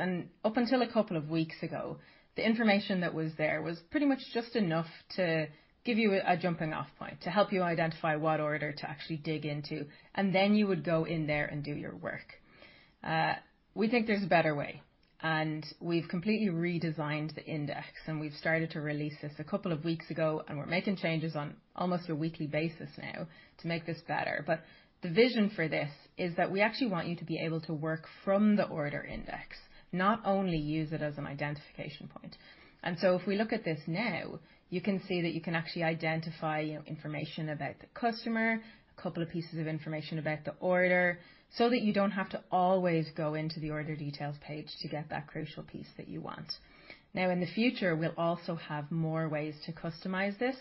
Up until a couple of weeks ago, the information that was there was pretty much just enough to give you a jumping-off point, to help you identify what order to actually dig into, and then you would go in there and do your work. We think there's a better way, and we've completely redesigned the index, and we've started to release this a couple of weeks ago, and we're making changes on almost a weekly basis now to make this better. The vision for this is that we actually want you to be able to work from the order index, not only use it as an identification point. If we look at this now, you can see that you can actually identify information about the customer, a couple of pieces of information about the order, so that you don't have to always go into the order details page to get that crucial piece that you want. In the future, we'll also have more ways to customize this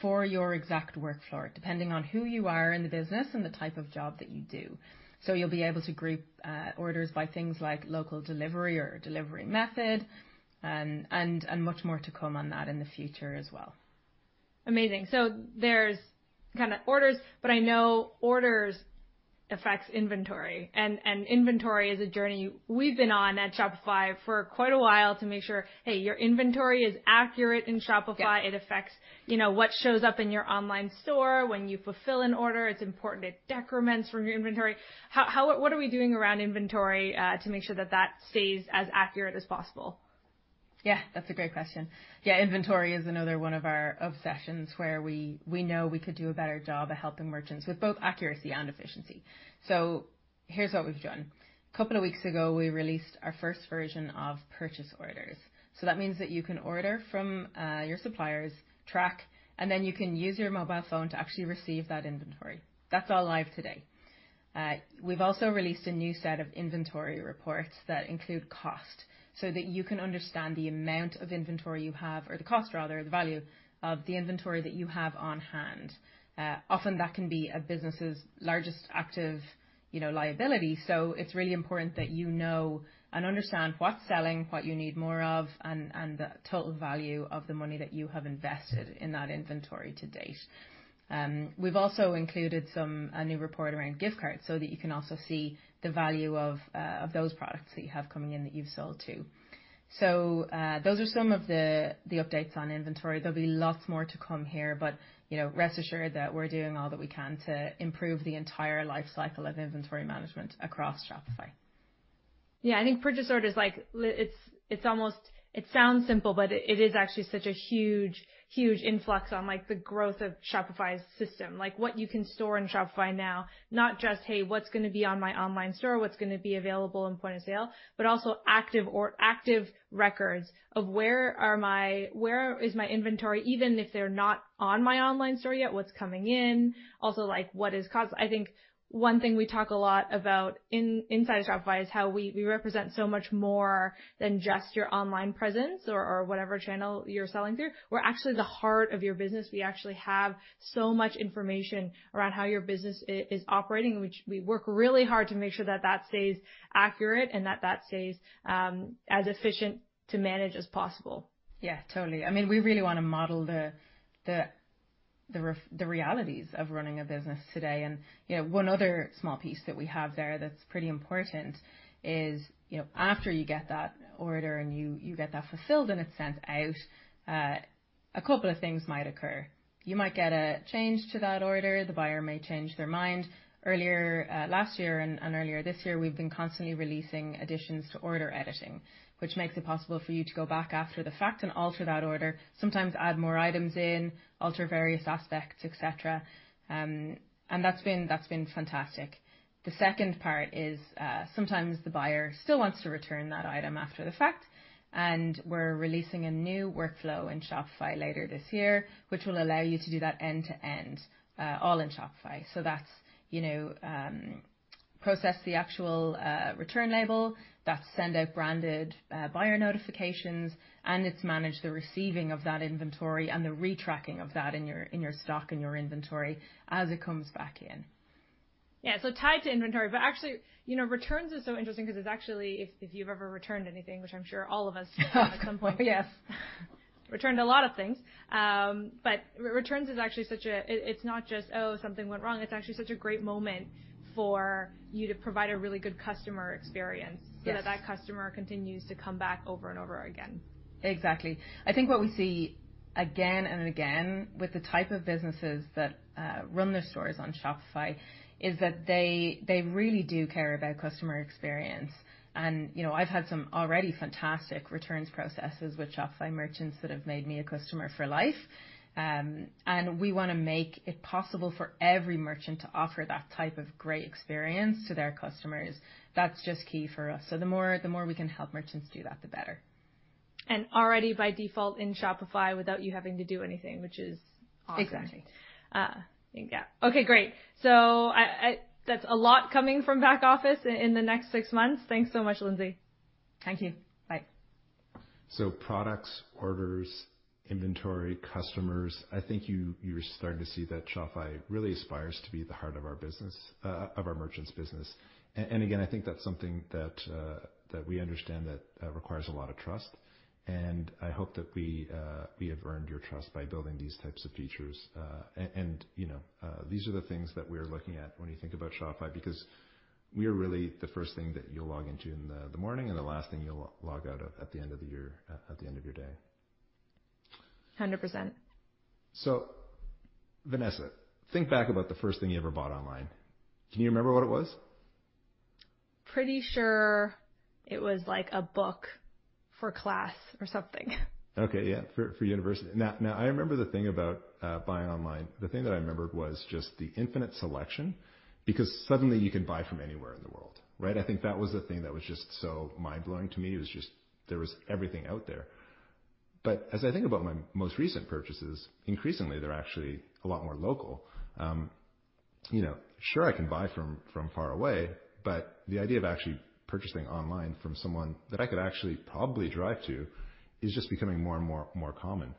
for your exact workflow, depending on who you are in the business and the type of job that you do. You'll be able to group orders by things like local delivery or delivery method and much more to come on that in the future as well. Amazing. There's orders, but I know orders affects inventory. Inventory is a journey we've been on at Shopify for quite a while to make sure, hey, your inventory is accurate in Shopify. Yeah. It affects what shows up in your online store. When you fulfill an order, it is important it decrements from your inventory. What are we doing around inventory to make sure that that stays as accurate as possible? Yeah, that's a great question. Yeah, inventory is another one of our obsessions where we know we could do a better job at helping merchants with both accuracy and efficiency. Here's what we've done. A couple of weeks ago, we released our first version of purchase orders, that means that you can order from your suppliers, track, then you can use your mobile phone to actually receive that inventory. That's all live today. We've also released a new set of inventory reports that include cost that you can understand the amount of inventory you have or the cost rather, the value of the inventory that you have on hand. Often that can be a business's largest active liability. It's really important that you know and understand what's selling, what you need more of, and the total value of the money that you have invested in that inventory to date. We've also included a new report around gift cards so that you can also see the value of those products that you have coming in that you've sold too. Those are some of the updates on inventory. There'll be lots more to come here, but rest assured that we're doing all that we can to improve the entire life cycle of inventory management across Shopify. Yeah, I think purchase orders, it sounds simple, but it is actually such a huge, huge influx on the growth of Shopify's system. What you can store in Shopify now, not just, hey, what's going to be on my online store? What's going to be available in point of sale? Also active records of where is my inventory? Even if they're not on my online store yet, what's coming in? Also what is cost? I think one thing we talk a lot about inside of Shopify is how we represent so much more than just your online presence or whatever channel you're selling through. We're actually the heart of your business. We actually have so much information around how your business is operating. We work really hard to make sure that that stays accurate and that that stays as efficient to manage as possible. Yeah, totally. We really want to model the realities of running a business today. One other small piece that we have there that's pretty important is after you get that order and you get that fulfilled and it's sent out, a couple of things might occur. You might get a change to that order. The buyer may change their mind. Last year and earlier this year, we've been constantly releasing additions to order editing, which makes it possible for you to go back after the fact and alter that order. Sometimes add more items in, alter various aspects, et cetera. That's been fantastic. The second part is sometimes the buyer still wants to return that item after the fact. We're releasing a new workflow in Shopify later this year, which will allow you to do that end-to-end all in Shopify. Process the actual return label. That's send out branded buyer notifications, and it's manage the receiving of that inventory and the re-tracking of that in your stock and your inventory as it comes back in. Yeah. Tied to inventory, but actually, returns is so interesting because it's actually, if you've ever returned anything, which I'm sure all of us have at some point. Yes. Returned a lot of things. Returns, it's not just something went wrong. It's actually such a great moment for you to provide a really good customer experience. Yes that customer continues to come back over and over again. Exactly. I think what we see again and again with the type of businesses that run their stores on Shopify is that they really do care about customer experience. I've had some already fantastic returns processes with Shopify merchants that have made me a customer for life. We want to make it possible for every merchant to offer that type of great experience to their customers. That's just key for us. The more we can help merchants do that, the better. Already by default in Shopify, without you having to do anything, which is awesome. Exactly. Yeah. Okay, great. That's a lot coming from back office in the next six months. Thanks so much, Lynsey. Thank you. Bye. Products, orders, inventory, customers, I think you're starting to see that Shopify really aspires to be at the heart of our merchants' business. Again, I think that's something that we understand that requires a lot of trust, and I hope that we have earned your trust by building these types of features. These are the things that we're looking at when you think about Shopify, because we are really the first thing that you'll log into in the morning, and the last thing you'll log out of at the end of your day. 100%. Vanessa, think back about the first thing you ever bought online. Can you remember what it was? Pretty sure it was a book for class or something. Okay. Yeah, for university. I remember the thing about buying online. The thing that I remembered was just the infinite selection because suddenly you can buy from anywhere in the world, right? I think that was the thing that was just so mind-blowing to me, was just there was everything out there. As I think about my most recent purchases, increasingly, they're actually a lot more local. Sure I can buy from far away, but the idea of actually purchasing online from someone that I could actually probably drive to is just becoming more and more common.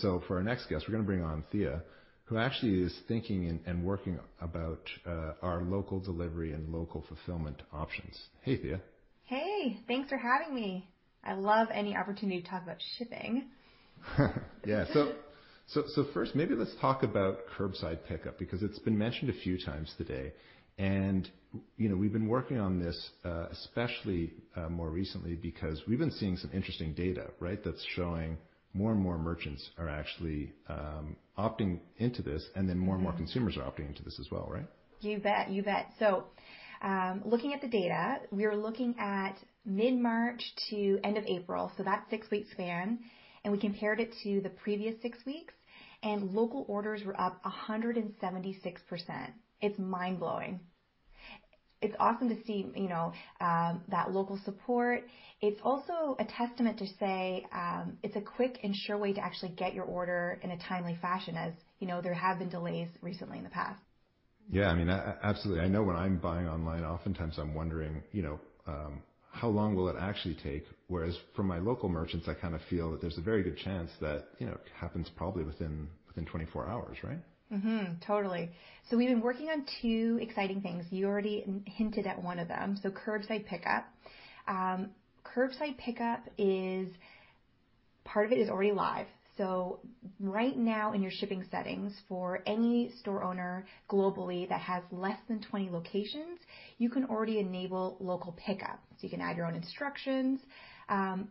For our next guest, we're going to bring on Thea, who actually is thinking and working about our local delivery and local fulfillment options. Hey, Thea. Hey, thanks for having me. I love any opportunity to talk about shipping. Yeah. First, maybe let's talk about curbside pickup, because it's been mentioned a few times today, and we've been working on this, especially more recently because we've been seeing some interesting data, right? That's showing more and more merchants are actually opting into this, and then more and more consumers are opting into this as well, right? You bet. Looking at the data, we are looking at mid-March to end of April, so that six-week span, and we compared it to the previous six weeks, and local orders were up 176%. It's mind-blowing. It's awesome to see that local support. It's also a testament to say it's a quick and sure way to actually get your order in a timely fashion. As you know, there have been delays recently in the past. Yeah. Absolutely. I know when I'm buying online, oftentimes I'm wondering, how long will it actually take? Whereas for my local merchants, I feel that there's a very good chance that it happens probably within 24 hours, right? Totally. We've been working on two exciting things. You already hinted at one of them. Curbside pickup. Curbside pickup, part of it is already live. Right now in your shipping settings for any store owner globally that has less than 20 locations, you can already enable local pickup. You can add your own instructions.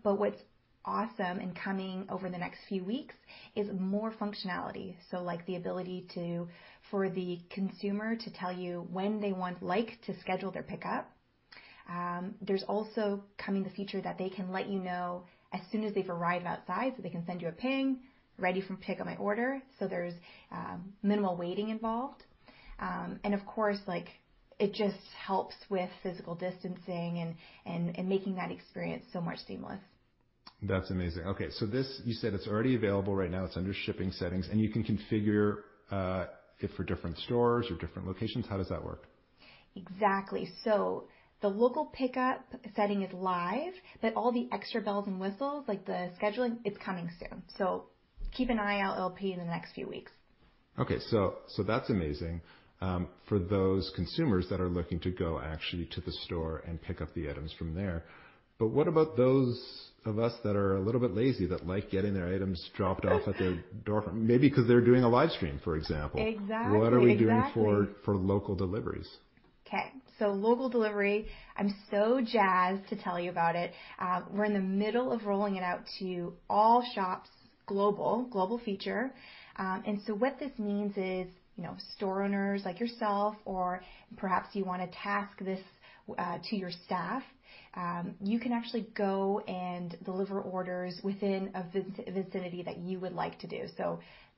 What's awesome and coming over the next few weeks is more functionality. Like the ability for the consumer to tell you when they want like to schedule their pickup. There's also coming the feature that they can let you know as soon as they've arrived outside, so they can send you a ping, "Ready for pick up my order." There's minimal waiting involved. Of course, it just helps with physical distancing and making that experience so much seamless. That's amazing. Okay, this, you said it's already available right now, it's under shipping settings, and you can configure it for different stores or different locations. How does that work? Exactly. The local pickup setting is live, but all the extra bells and whistles, like the scheduling, it's coming soon. Keep an eye out. It'll be in the next few weeks. Okay. That's amazing. For those consumers that are looking to go actually to the store and pick up the items from there. What about those of us that are a little bit lazy, that like getting their items dropped off at their door? Maybe because they're doing a live stream, for example. Exactly. What are we doing for local deliveries? Okay. Local delivery, I'm so jazzed to tell you about it. We're in the middle of rolling it out to all shops global. Global feature. What this means is store owners like yourself, or perhaps you want to task this to your staff, you can actually go and deliver orders within a vicinity that you would like to do.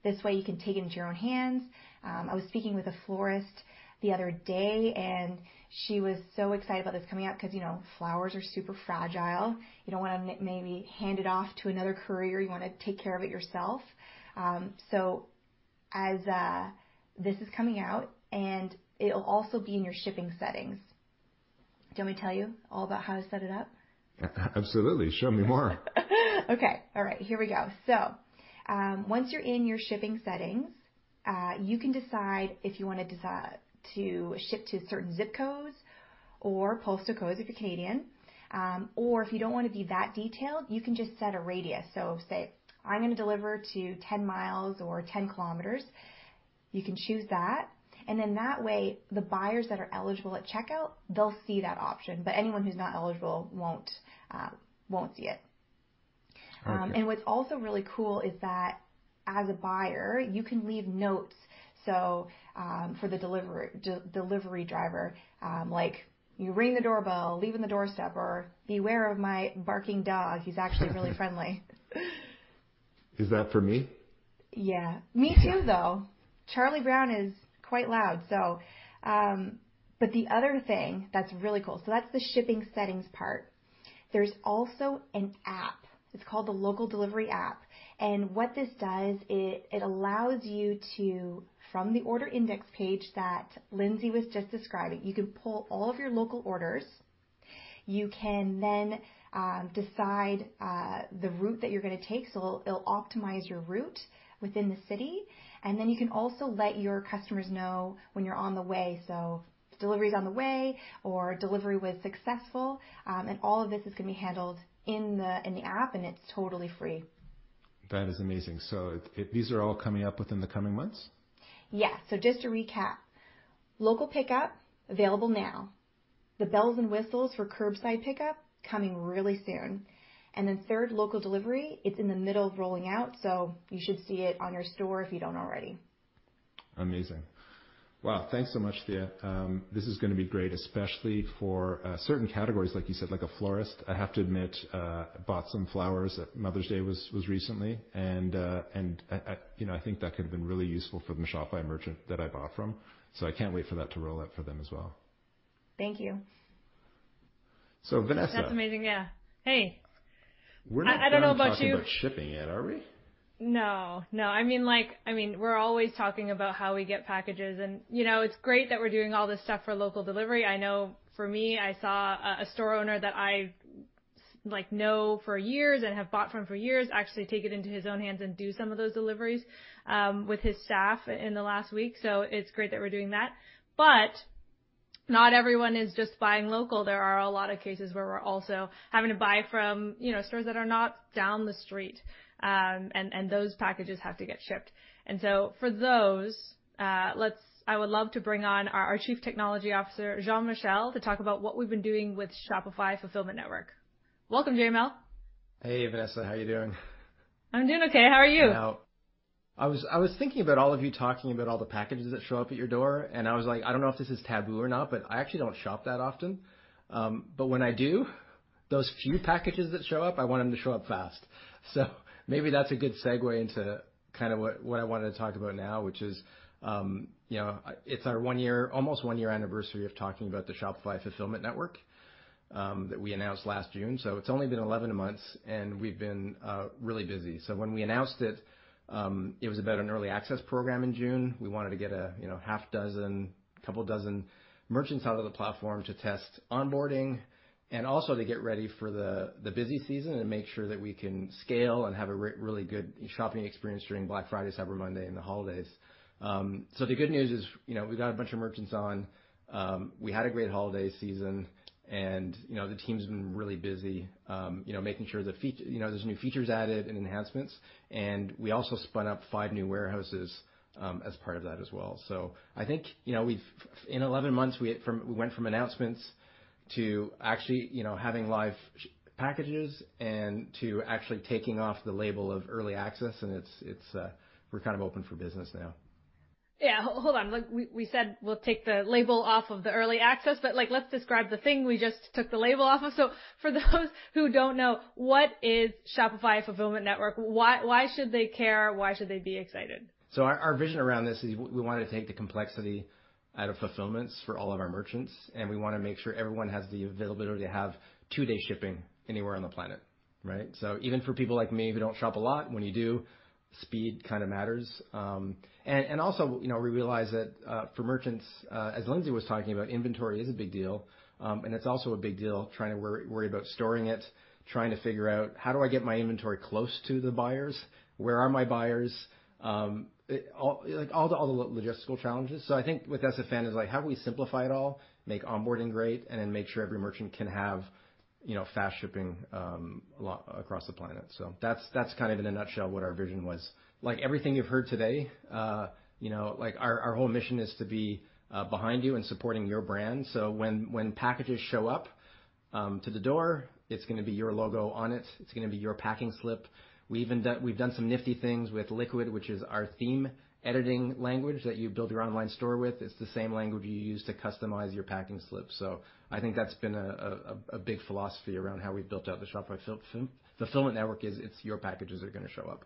This way you can take it into your own hands. I was speaking with a florist the other day, and she was so excited about this coming out because flowers are super fragile. You don't want to maybe hand it off to another courier. You want to take care of it yourself. As this is coming out, and it'll also be in your shipping settings. Do you want me to tell you all about how to set it up? Absolutely. Show me more. Okay. All right. Here we go. Once you're in your shipping settings, you can decide if you want to ship to certain zip codes or postal codes if you're Canadian. If you don't want to be that detailed, you can just set a radius. Say, "I'm going to deliver to 10 miles or 10 kilometers," you can choose that. That way, the buyers that are eligible at checkout, they'll see that option, but anyone who's not eligible won't see it. Okay. What's also really cool is that as a buyer, you can leave notes for the delivery driver. Like, "You ring the doorbell, leave it on the doorstep," or, "Beware of my barking dog. He's actually really friendly. Is that for me? Yeah. Me too, though. Charlie Brown is quite loud. The other thing that's really cool, so that's the shipping settings part. There's also an app. It's called the Shopify Local Delivery. What this does, it allows you to, from the order index page that Lynsey was just describing, you can pull all of your local orders. You can then decide the route that you're going to take, so it'll optimize your route within the city. Then you can also let your customers know when you're on the way. "Delivery's on the way," or, "Delivery was successful." All of this is going to be handled in the app, and it's totally free. That is amazing. These are all coming up within the coming months? Yeah. Just to recap, local pickup, available now. The bells and whistles for curbside pickup, coming really soon. third local delivery, it's in the middle of rolling out, so you should see it on your store if you don't already. Amazing. Wow. Thanks so much, Thea. This is going to be great, especially for certain categories, like you said, like a florist. I have to admit, I bought some flowers. Mother's Day was recently. I think that could've been really useful for the Shopify merchant that I bought from. I can't wait for that to roll out for them as well. Thank you. Vanessa. That's amazing. Yeah. Hey. We're not done. I don't know about you. talking about shipping yet, are we? No. No. We're always talking about how we get packages, and it's great that we're doing all this stuff for local delivery. I know for me, I saw a store owner that I've known for years and have bought from for years actually take it into his own hands and do some of those deliveries with his staff in the last week. It's great that we're doing that, but not everyone is just buying local. There are a lot of cases where we're also having to buy from stores that are not down the street. Those packages have to get shipped. For those, I would love to bring on our Chief Technology Officer, Jean-Michel Lemieux, to talk about what we've been doing with Shopify Fulfillment Network. Welcome, JML. Hey, Vanessa. How are you doing? I'm doing okay. How are you? I was thinking about all of you talking about all the packages that show up at your door, I don't know if this is taboo or not, I actually don't shop that often. When I do, those few packages that show up, I want them to show up fast. Maybe that's a good segue into what I wanted to talk about now, which is, it's our almost one year anniversary of talking about the Shopify Fulfillment Network that we announced last June. It's only been 11 months, we've been really busy. When we announced it was about an early access program in June. We wanted to get a half dozen, couple dozen merchants out of the platform to test onboarding, and also to get ready for the busy season and make sure that we can scale and have a really good shopping experience during Black Friday, Cyber Monday, and the holidays. The good news is, we got a bunch of merchants on. We had a great holiday season, and the team's been really busy making sure there's new features added and enhancements. We also spun up five new warehouses as part of that as well. I think, in 11 months, we went from announcements to actually having live packages and to actually taking off the label of early access, and we're open for business now. Yeah. Hold on. We said we'll take the label off of the early access, let's describe the thing we just took the label off of. For those who don't know, what is Shopify Fulfillment Network? Why should they care? Why should they be excited? Our vision around this is we wanted to take the complexity out of fulfillments for all of our merchants, and we want to make sure everyone has the availability to have two-day shipping anywhere on the planet. Right? Even for people like me who don't shop a lot, when you do, speed matters. We realize that for merchants, as Lynsey was talking about, inventory is a big deal. It's also a big deal trying to worry about storing it, trying to figure out, "How do I get my inventory close to the buyers? Where are my buyers?" All the logistical challenges. I think with SFN is like, how do we simplify it all, make onboarding great, and then make sure every merchant can have fast shipping across the planet? That's in a nutshell what our vision was. Like everything you've heard today, our whole mission is to be behind you and supporting your brand. When packages show up to the door, it's going to be your logo on it. It's going to be your packing slip. We've done some nifty things with Liquid, which is our theme editing language that you build your online store with. It's the same language you use to customize your packing slip. I think that's been a big philosophy around how we've built out the Shopify Fulfillment Network is it's your packages are going to show up.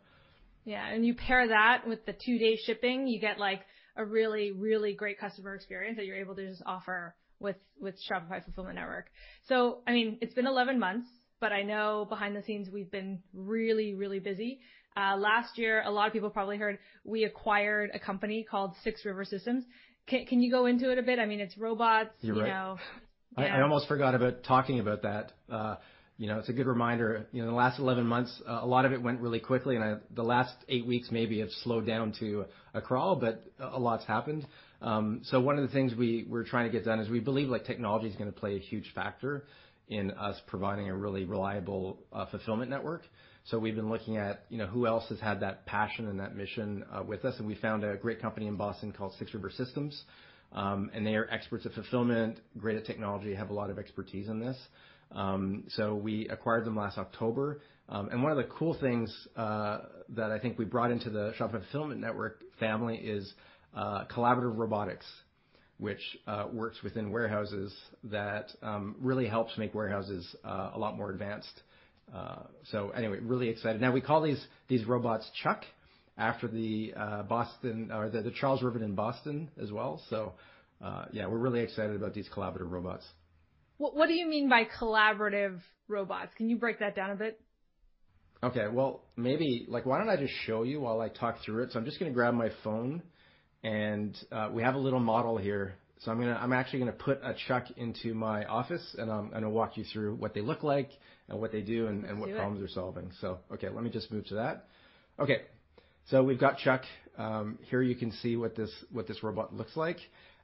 Yeah. You pair that with the two-day shipping, you get a really, really great customer experience that you're able to just offer with Shopify Fulfillment Network. It's been 11 months, but I know behind the scenes we've been really, really busy. Last year, a lot of people probably heard we acquired a company called Six River Systems. Can you go into it a bit? It's robots. You're right. Yeah. I almost forgot about talking about that. It's a good reminder. The last 11 months, a lot of it went really quickly, and the last eight weeks maybe have slowed down to a crawl, but a lot's happened. One of the things we're trying to get done is we believe technology's going to play a huge factor in us providing a really reliable fulfillment network. We've been looking at who else has had that passion and that mission with us, and we found a great company in Boston called Six River Systems. They are experts at fulfillment, great at technology, have a lot of expertise in this. We acquired them last October. One of the cool things that I think we brought into the Shopify Fulfillment Network family is collaborative robotics, which works within warehouses that really helps make warehouses a lot more advanced. Anyway, really excited. Now we call these robots Chuck after the Charles River in Boston as well. Yeah, we're really excited about these collaborative robots. What do you mean by collaborative robots? Can you break that down a bit? Okay. Well, maybe why don't I just show you while I talk through it? I'm just going to grab my phone, and we have a little model here. I'm actually going to put a Chuck into my office, and I'm going to walk you through what they look like and what they do. Let's do it. problems they're solving. Okay, let me just move to that. Okay. We've got Chuck. Here you can see what this robot looks like.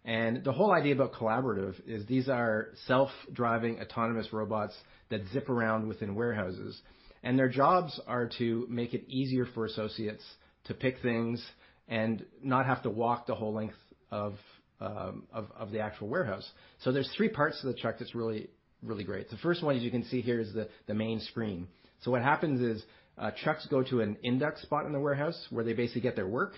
The whole idea about collaborative is these are self-driving autonomous robots that zip around within warehouses, and their jobs are to make it easier for associates to pick things and not have to walk the whole length of the actual warehouse. There's three parts to the Chuck that's really great. The first one, as you can see here, is the main screen. What happens is, Chucks go to an index spot in the warehouse where they basically get their work,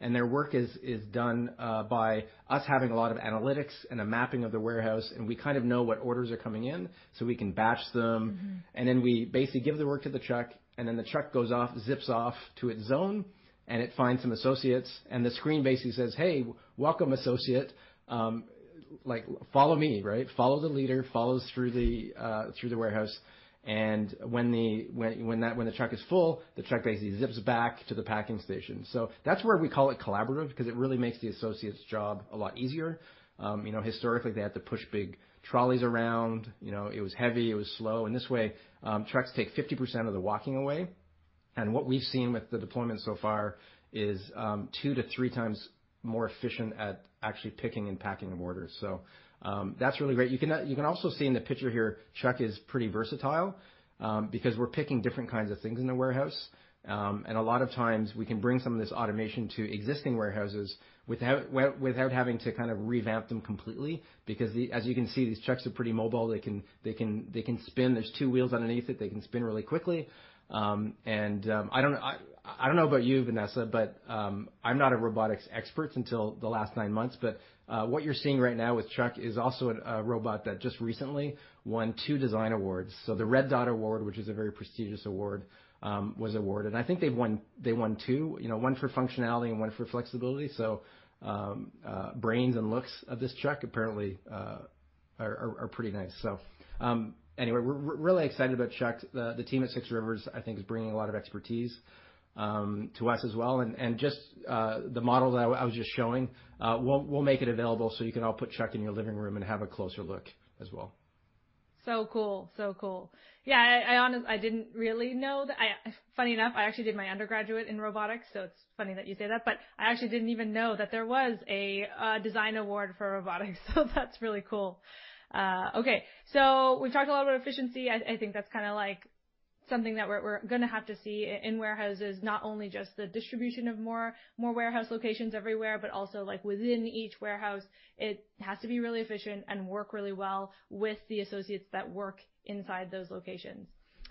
and their work is done by us having a lot of analytics and a mapping of the warehouse, and we kind of know what orders are coming in, so we can batch them. Then we basically give the work to the Chuck, then the Chuck goes off, zips off to its zone, and it finds some associates, and the screen basically says, "Hey. Welcome, associate. Follow me." Right? Follow the leader. Follows through the warehouse. When the Chuck is full, the Chuck basically zips back to the packing station. That's where we call it collaborative because it really makes the associate's job a lot easier. Historically, they had to push big trolleys around. It was heavy. It was slow. This way, Chucks take 50% of the walking away. What we've seen with the deployment so far is 2 to 3 times more efficient at actually picking and packing of orders. That's really great. You can also see in the picture here, Chuck is pretty versatile, because we're picking different kinds of things in the warehouse. A lot of times, we can bring some of this automation to existing warehouses without having to revamp them completely because as you can see, these Chucks are pretty mobile. They can spin. There's two wheels underneath it. They can spin really quickly. I don't know about you, Vanessa, but I'm not a robotics expert until the last nine months. What you're seeing right now with Chuck is also a robot that just recently won two design awards. The Red Dot Design Award, which is a very prestigious award, was awarded. I think they won two. One for functionality and one for flexibility. Brains and looks of this Chuck apparently are pretty nice. Anyway, we're really excited about Chuck. The team at Six River Systems, I think, is bringing a lot of expertise to us as well. Just the model that I was just showing, we'll make it available so you can all put Chuck in your living room and have a closer look as well. Cool. Cool. Yeah, funny enough, I actually did my undergraduate in robotics, so it's funny that you say that, but I actually didn't even know that there was a design award for robotics, so that's really cool. Okay. We've talked a lot about efficiency. I think that's something that we're going to have to see in warehouses, not only just the distribution of more warehouse locations everywhere, but also within each warehouse, it has to be really efficient and work really well with the associates that work inside those locations.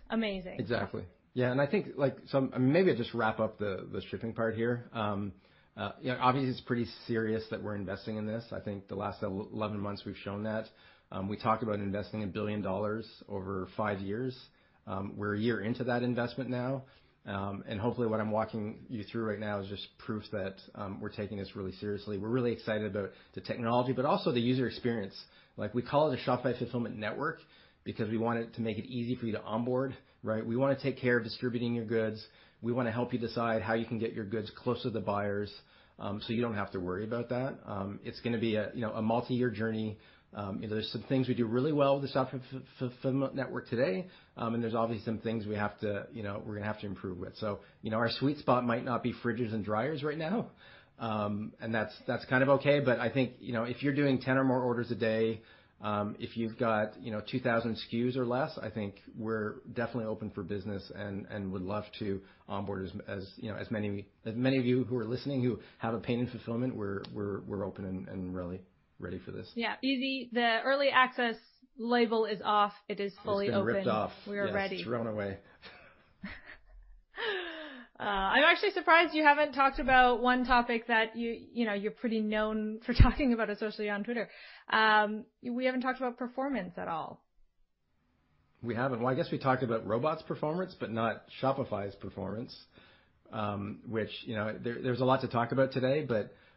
Amazing. Exactly. Yeah. I think maybe I'll just wrap up the shipping part here. Obviously, it's pretty serious that we're investing in this. I think the last 11 months we've shown that. We talked about investing $1 billion over five years. We're a year into that investment now. Hopefully, what I'm walking you through right now is just proof that we're taking this really seriously. We're really excited about the technology, but also the user experience. We call it a Shopify Fulfillment Network because we want it to make it easy for you to onboard, right? We want to take care of distributing your goods. We want to help you decide how you can get your goods close to the buyers, so you don't have to worry about that. It's going to be a multi-year journey. There's some things we do really well with the Shopify Fulfillment Network today. There's obviously some things we're going to have to improve with. Our sweet spot might not be fridges and dryers right now. That's kind of okay. I think if you're doing 10 or more orders a day, if you've got 2,000 SKUs or less, I think we're definitely open for business and would love to onboard as many of you who are listening who have a pain in fulfillment. We're open and really ready for this. Yeah. Easy. The early access label is off. It is fully open. It's been ripped off. We are ready. Yes. Thrown away. I'm actually surprised you haven't talked about one topic that you're pretty known for talking about, especially on Twitter. We haven't talked about performance at all. We haven't. Well, I guess we talked about robots' performance, but not Shopify's performance. There's a lot to talk about today.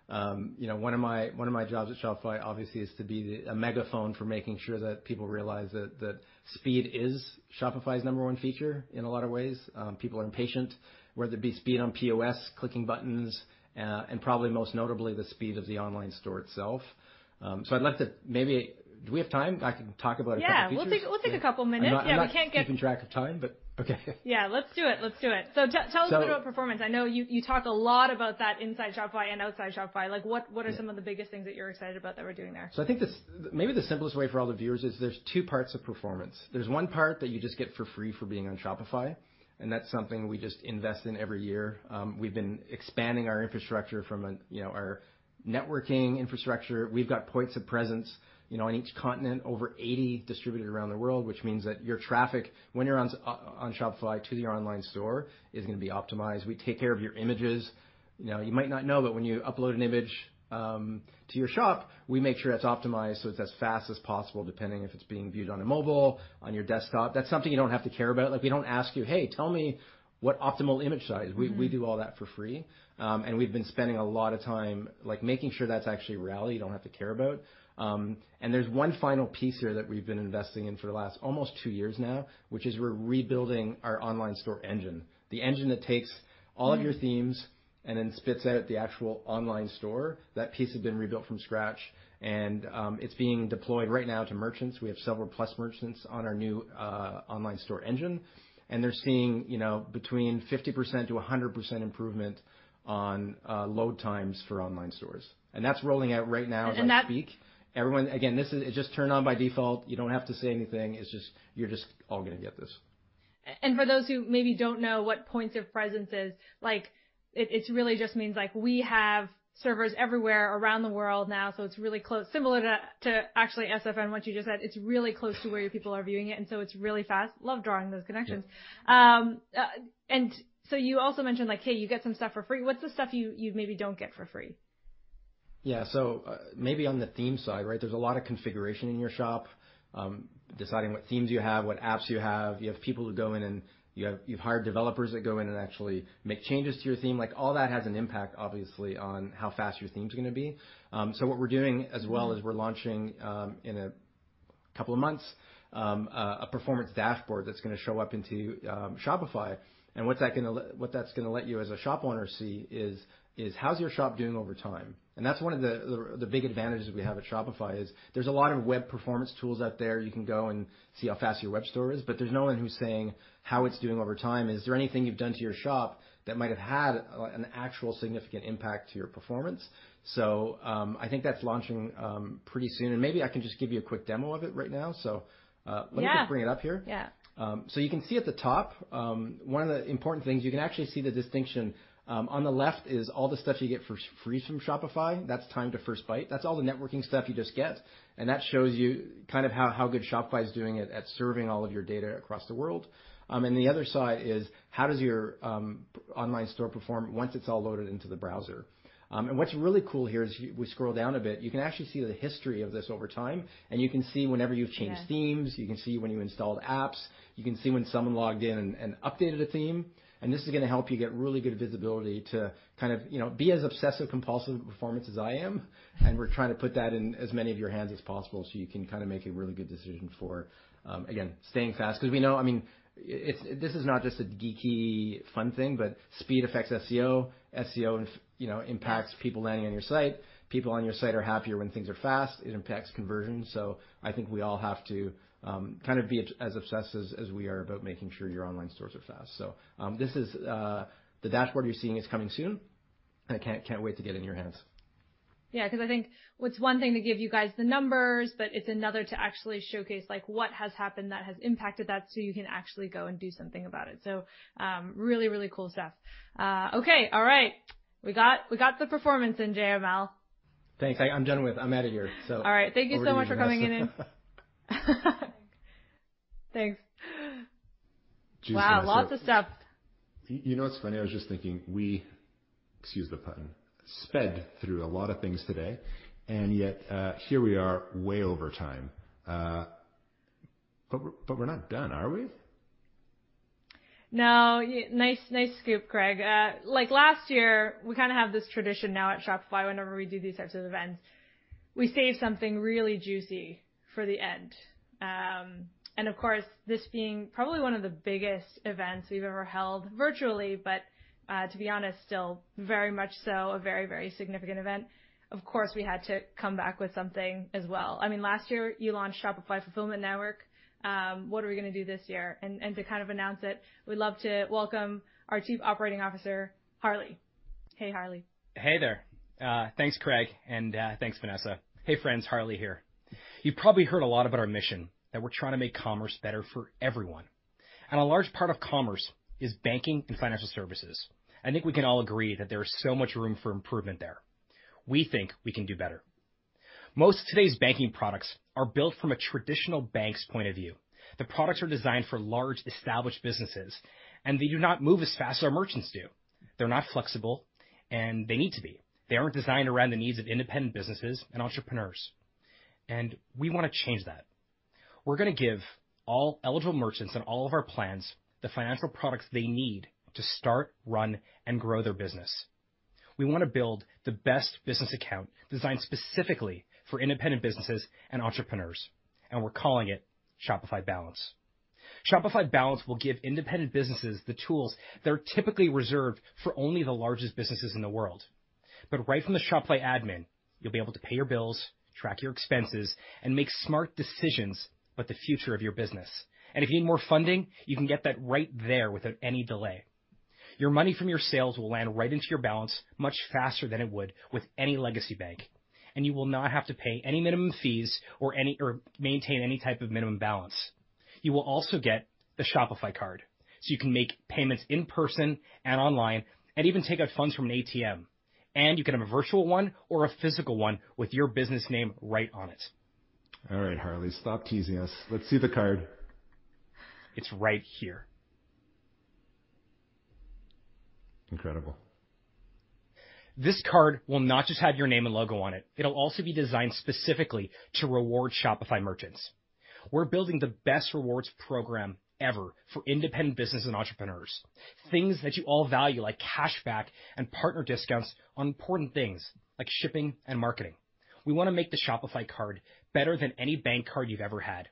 One of my jobs at Shopify, obviously, is to be a megaphone for making sure that people realize that speed is Shopify's number one feature in a lot of ways. People are impatient, whether it be speed on POS, clicking buttons, and probably most notably, the speed of the online store itself. I'd like to maybe Do we have time? I can talk about a couple features. Yeah. We'll take a couple minutes. Yeah. We can't. I'm not keeping track of time, but okay. Yeah. Let's do it. Tell us a bit about performance. I know you talk a lot about that inside Shopify and outside Shopify. What are some of the biggest things that you're excited about that we're doing there? I think maybe the simplest way for all the viewers is there's two parts of performance. There's one part that you just get for free for being on Shopify, and that's something we just invest in every year. We've been expanding our infrastructure from our networking infrastructure. We've got points of presence on each continent, over 80 distributed around the world, which means that your traffic, when you're on Shopify to your online store, is going to be optimized. We take care of your images. You might not know, but when you upload an image to your shop, we make sure that's optimized so it's as fast as possible, depending if it's being viewed on a mobile, on your desktop. That's something you don't have to care about. We don't ask you, "Hey, tell me what optimal image size. We do all that for free. We've been spending a lot of time making sure that's actually reality, you don't have to care about. There's one final piece here that we've been investing in for the last almost two years now, which is we're rebuilding our online store engine. The engine that takes all of your themes and then spits out the actual online store. That piece had been rebuilt from scratch, and it's being deployed right now to merchants. We have several Plus merchants on our new online store engine, and they're seeing between 50%-100% improvement on load times for online stores. That's rolling out right now as we speak. And that- Everyone, again, this is just turned on by default. You don't have to say anything. You're just all going to get this. For those who maybe don't know what points of presence is, it really just means we have servers everywhere around the world now, so it's really close. Similar to, actually, SFN, what you just said. It's really close to where your people are viewing it, and so it's really fast. Love drawing those connections. Yeah. You also mentioned like, hey, you get some stuff for free. What's the stuff you maybe don't get for free? Yeah. Maybe on the theme side, right? There's a lot of configuration in your shop. Deciding what themes you have, what apps you have. You have people who go in, and you've hired developers that go in and actually make changes to your theme. All that has an impact, obviously, on how fast your theme's going to be. What we're doing, as well as we're launching, in a couple of months, a performance dashboard that's going to show up into Shopify. What that's going to let you as a shop owner see is how's your shop doing over time. That's one of the big advantages we have at Shopify is there's a lot of web performance tools out there. You can go and see how fast your web store is, but there's no one who's saying how it's doing over time. Is there anything you've done to your shop that might have had an actual significant impact to your performance? I think that's launching pretty soon, and maybe I can just give you a quick demo of it right now. Yeah let me just bring it up here. Yeah. You can see at the top, one of the important things, you can actually see the distinction. On the left is all the stuff you get for free from Shopify. That's Time to First Byte. That's all the networking stuff you just get, and that shows you how good Shopify is doing at serving all of your data across the world. The other side is how does your online store perform once it's all loaded into the browser. What's really cool here is we scroll down a bit, you can actually see the history of this over time, and you can see whenever you've changed themes. Yeah. You can see when you installed apps. You can see when someone logged in and updated a theme. This is going to help you get really good visibility to be as obsessive compulsive with performance as I am. We're trying to put that in as many of your hands as possible so you can make a really good decision for, again, staying fast. We know, this is not just a geeky fun thing, but speed affects SEO. SEO impacts people landing on your site. People on your site are happier when things are fast. It impacts conversion. I think we all have to be as obsessed as we are about making sure your online stores are fast. The dashboard you're seeing is coming soon. I can't wait to get it in your hands. Yeah, because I think it's one thing to give you guys the numbers, but it's another to actually showcase what has happened that has impacted that so you can actually go and do something about it. Really, really cool stuff. Okay. All right. We got the performance in, JML. Thanks. I'm out of here. All right. Thank you so much for coming in I've already learned enough. Thanks. Wow. Lots of stuff. Juicy, wasn't it? You know what's funny? I was just thinking we, excuse the pun, sped through a lot of things today, and yet here we are way over time. We're not done, are we? No. Nice scoop, Craig. Last year, we kind of have this tradition now at Shopify whenever we do these types of events. We save something really juicy for the end. Of course, this being probably one of the biggest events we've ever held virtually, but, to be honest, still very much so a very, very significant event. Of course, we had to come back with something as well. Last year, you launched Shopify Fulfillment Network. What are we going to do this year? To kind of announce it, we'd love to welcome our Chief Operating Officer, Harley. Hey, Harley. Hey there. Thanks, Craig, and thanks, Vanessa. Hey, friends, Harley here. You've probably heard a lot about our mission, that we're trying to make commerce better for everyone. A large part of commerce is banking and financial services. I think we can all agree that there is so much room for improvement there. We think we can do better. Most of today's banking products are built from a traditional bank's point of view. The products are designed for large, established businesses, and they do not move as fast as our merchants do. They're not flexible, and they need to be. They aren't designed around the needs of independent businesses and entrepreneurs. We want to change that. We're going to give all eligible merchants on all of our plans the financial products they need to start, run, and grow their business. We want to build the best business account designed specifically for independent businesses and entrepreneurs, and we're calling it Shopify Balance. Shopify Balance will give independent businesses the tools that are typically reserved for only the largest businesses in the world. Right from the Shopify admin, you'll be able to pay your bills, track your expenses, and make smart decisions about the future of your business. If you need more funding, you can get that right there without any delay. Your money from your sales will land right into your balance much faster than it would with any legacy bank, and you will not have to pay any minimum fees or maintain any type of minimum balance. You will also get the Shopify card, so you can make payments in person and online and even take out funds from an ATM, and you can have a virtual one or a physical one with your business name right on it. All right, Harley, stop teasing us. Let's see the card. It's right here. Incredible. This card will not just have your name and logo on it. It'll also be designed specifically to reward Shopify merchants. We're building the best rewards program ever for independent business and entrepreneurs. Things that you all value, like cashback and partner discounts on important things, like shipping and marketing. We want to make the Shopify card better than any bank card you've ever had,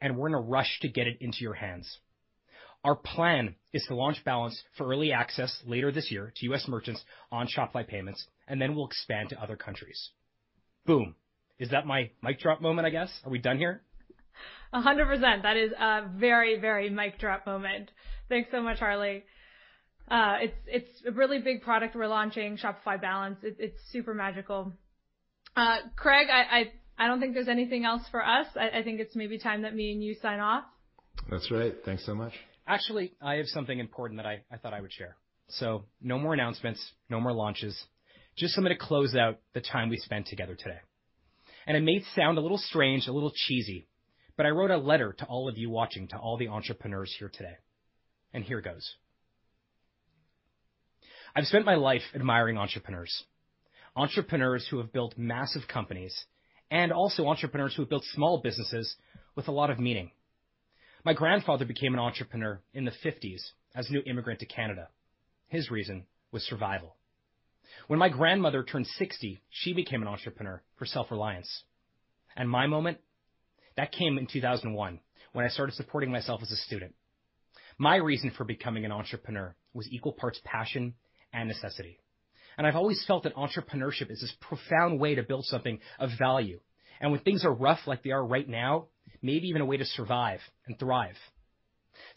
and we're in a rush to get it into your hands. Our plan is to launch Shopify Balance for early access later this year to U.S. merchants on Shopify Payments, and then we'll expand to other countries. Boom. Is that my mic drop moment, I guess? Are we done here? 100%. That is a very mic drop moment. Thanks so much, Harley. It's a really big product we're launching, Shopify Balance. It's super magical. Craig, I don't think there's anything else for us. I think it's maybe time that me and you sign off. That's right. Thanks so much. Actually, I have something important that I thought I would share. No more announcements, no more launches, just something to close out the time we spent together today. It may sound a little strange, a little cheesy, but I wrote a letter to all of you watching, to all the entrepreneurs here today. Here it goes. I've spent my life admiring entrepreneurs who have built massive companies and also entrepreneurs who have built small businesses with a lot of meaning. My grandfather became an entrepreneur in the '50s as a new immigrant to Canada. His reason was survival. When my grandmother turned 60, she became an entrepreneur for self-reliance. My moment? That came in 2001 when I started supporting myself as a student. My reason for becoming an entrepreneur was equal parts passion and necessity, and I've always felt that entrepreneurship is this profound way to build something of value. When things are rough like they are right now, maybe even a way to survive and thrive.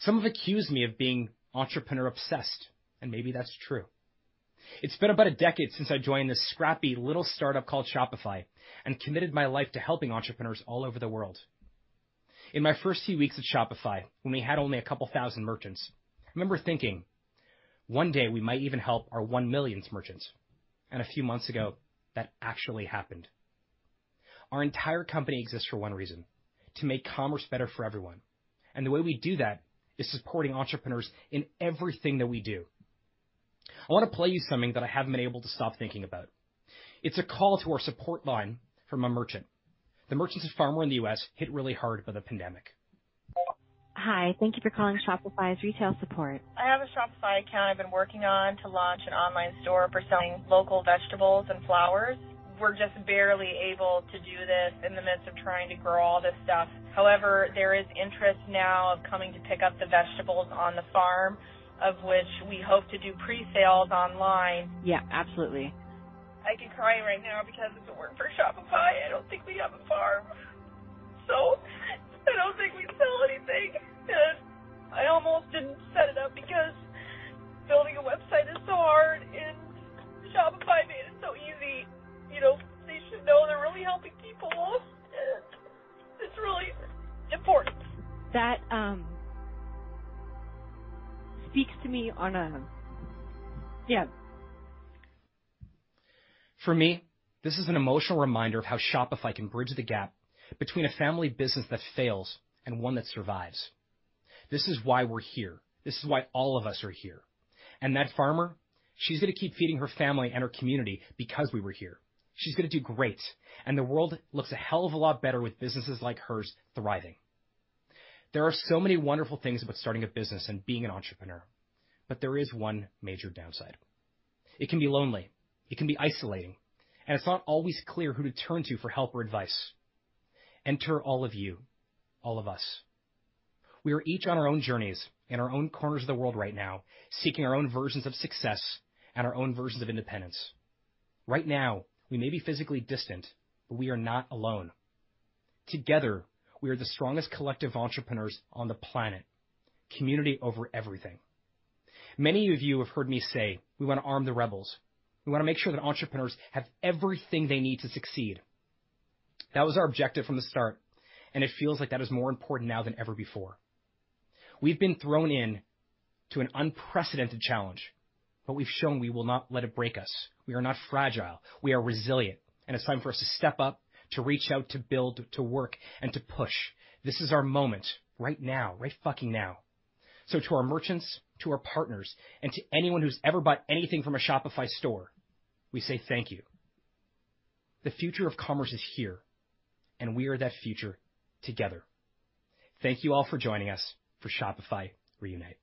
Some have accused me of being entrepreneur-obsessed, and maybe that's true. It's been about a decade since I joined this scrappy little startup called Shopify and committed my life to helping entrepreneurs all over the world. In my first few weeks at Shopify, when we had only a couple thousand merchants, I remember thinking, "One day we might even help our one millionth merchant." A few months ago, that actually happened. Our entire company exists for one reason, to make commerce better for everyone, and the way we do that is supporting entrepreneurs in everything that we do. I want to play you something that I haven't been able to stop thinking about. It's a call to our support line from a merchant. The merchant is a farmer in the U.S. hit really hard by the pandemic. Hi, thank you for calling Shopify's retail support. I have a Shopify account I've been working on to launch an online store for selling local vegetables and flowers. We're just barely able to do this in the midst of trying to grow all this stuff. There is interest now of coming to pick up the vegetables on the farm, of which we hope to do pre-sales online. Yeah, absolutely. I could cry right now because if it weren't for Shopify, I don't think we'd have a farm. I don't think we'd sell anything, and I almost didn't set it up because building a website is so hard, and Shopify made it so easy. They should know they're really helping people, and it's really important. That speaks to me on a. Yeah. For me, this is an emotional reminder of how Shopify can bridge the gap between a family business that fails and one that survives. This is why we're here. This is why all of us are here. That farmer, she's going to keep feeding her family and her community because we were here. She's going to do great, the world looks a hell of a lot better with businesses like hers thriving. There are so many wonderful things about starting a business and being an entrepreneur, there is one major downside. It can be lonely, it can be isolating, it's not always clear who to turn to for help or advice. Enter all of you, all of us. We are each on our own journeys in our own corners of the world right now, seeking our own versions of success and our own versions of independence. Right now, we may be physically distant, but we are not alone. Together, we are the strongest collective of entrepreneurs on the planet. Community over everything. Many of you have heard me say we want to arm the rebels. We want to make sure that entrepreneurs have everything they need to succeed. That was our objective from the start, and it feels like that is more important now than ever before. We've been thrown into an unprecedented challenge, but we've shown we will not let it break us. We are not fragile. We are resilient, and it's time for us to step up, to reach out, to build, to work, and to push. This is our moment right now. Right fucking now. To our merchants, to our partners, and to anyone who's ever bought anything from a Shopify store, we say thank you. The future of commerce is here, and we are that future together. Thank you all for joining us for Shopify Reunite.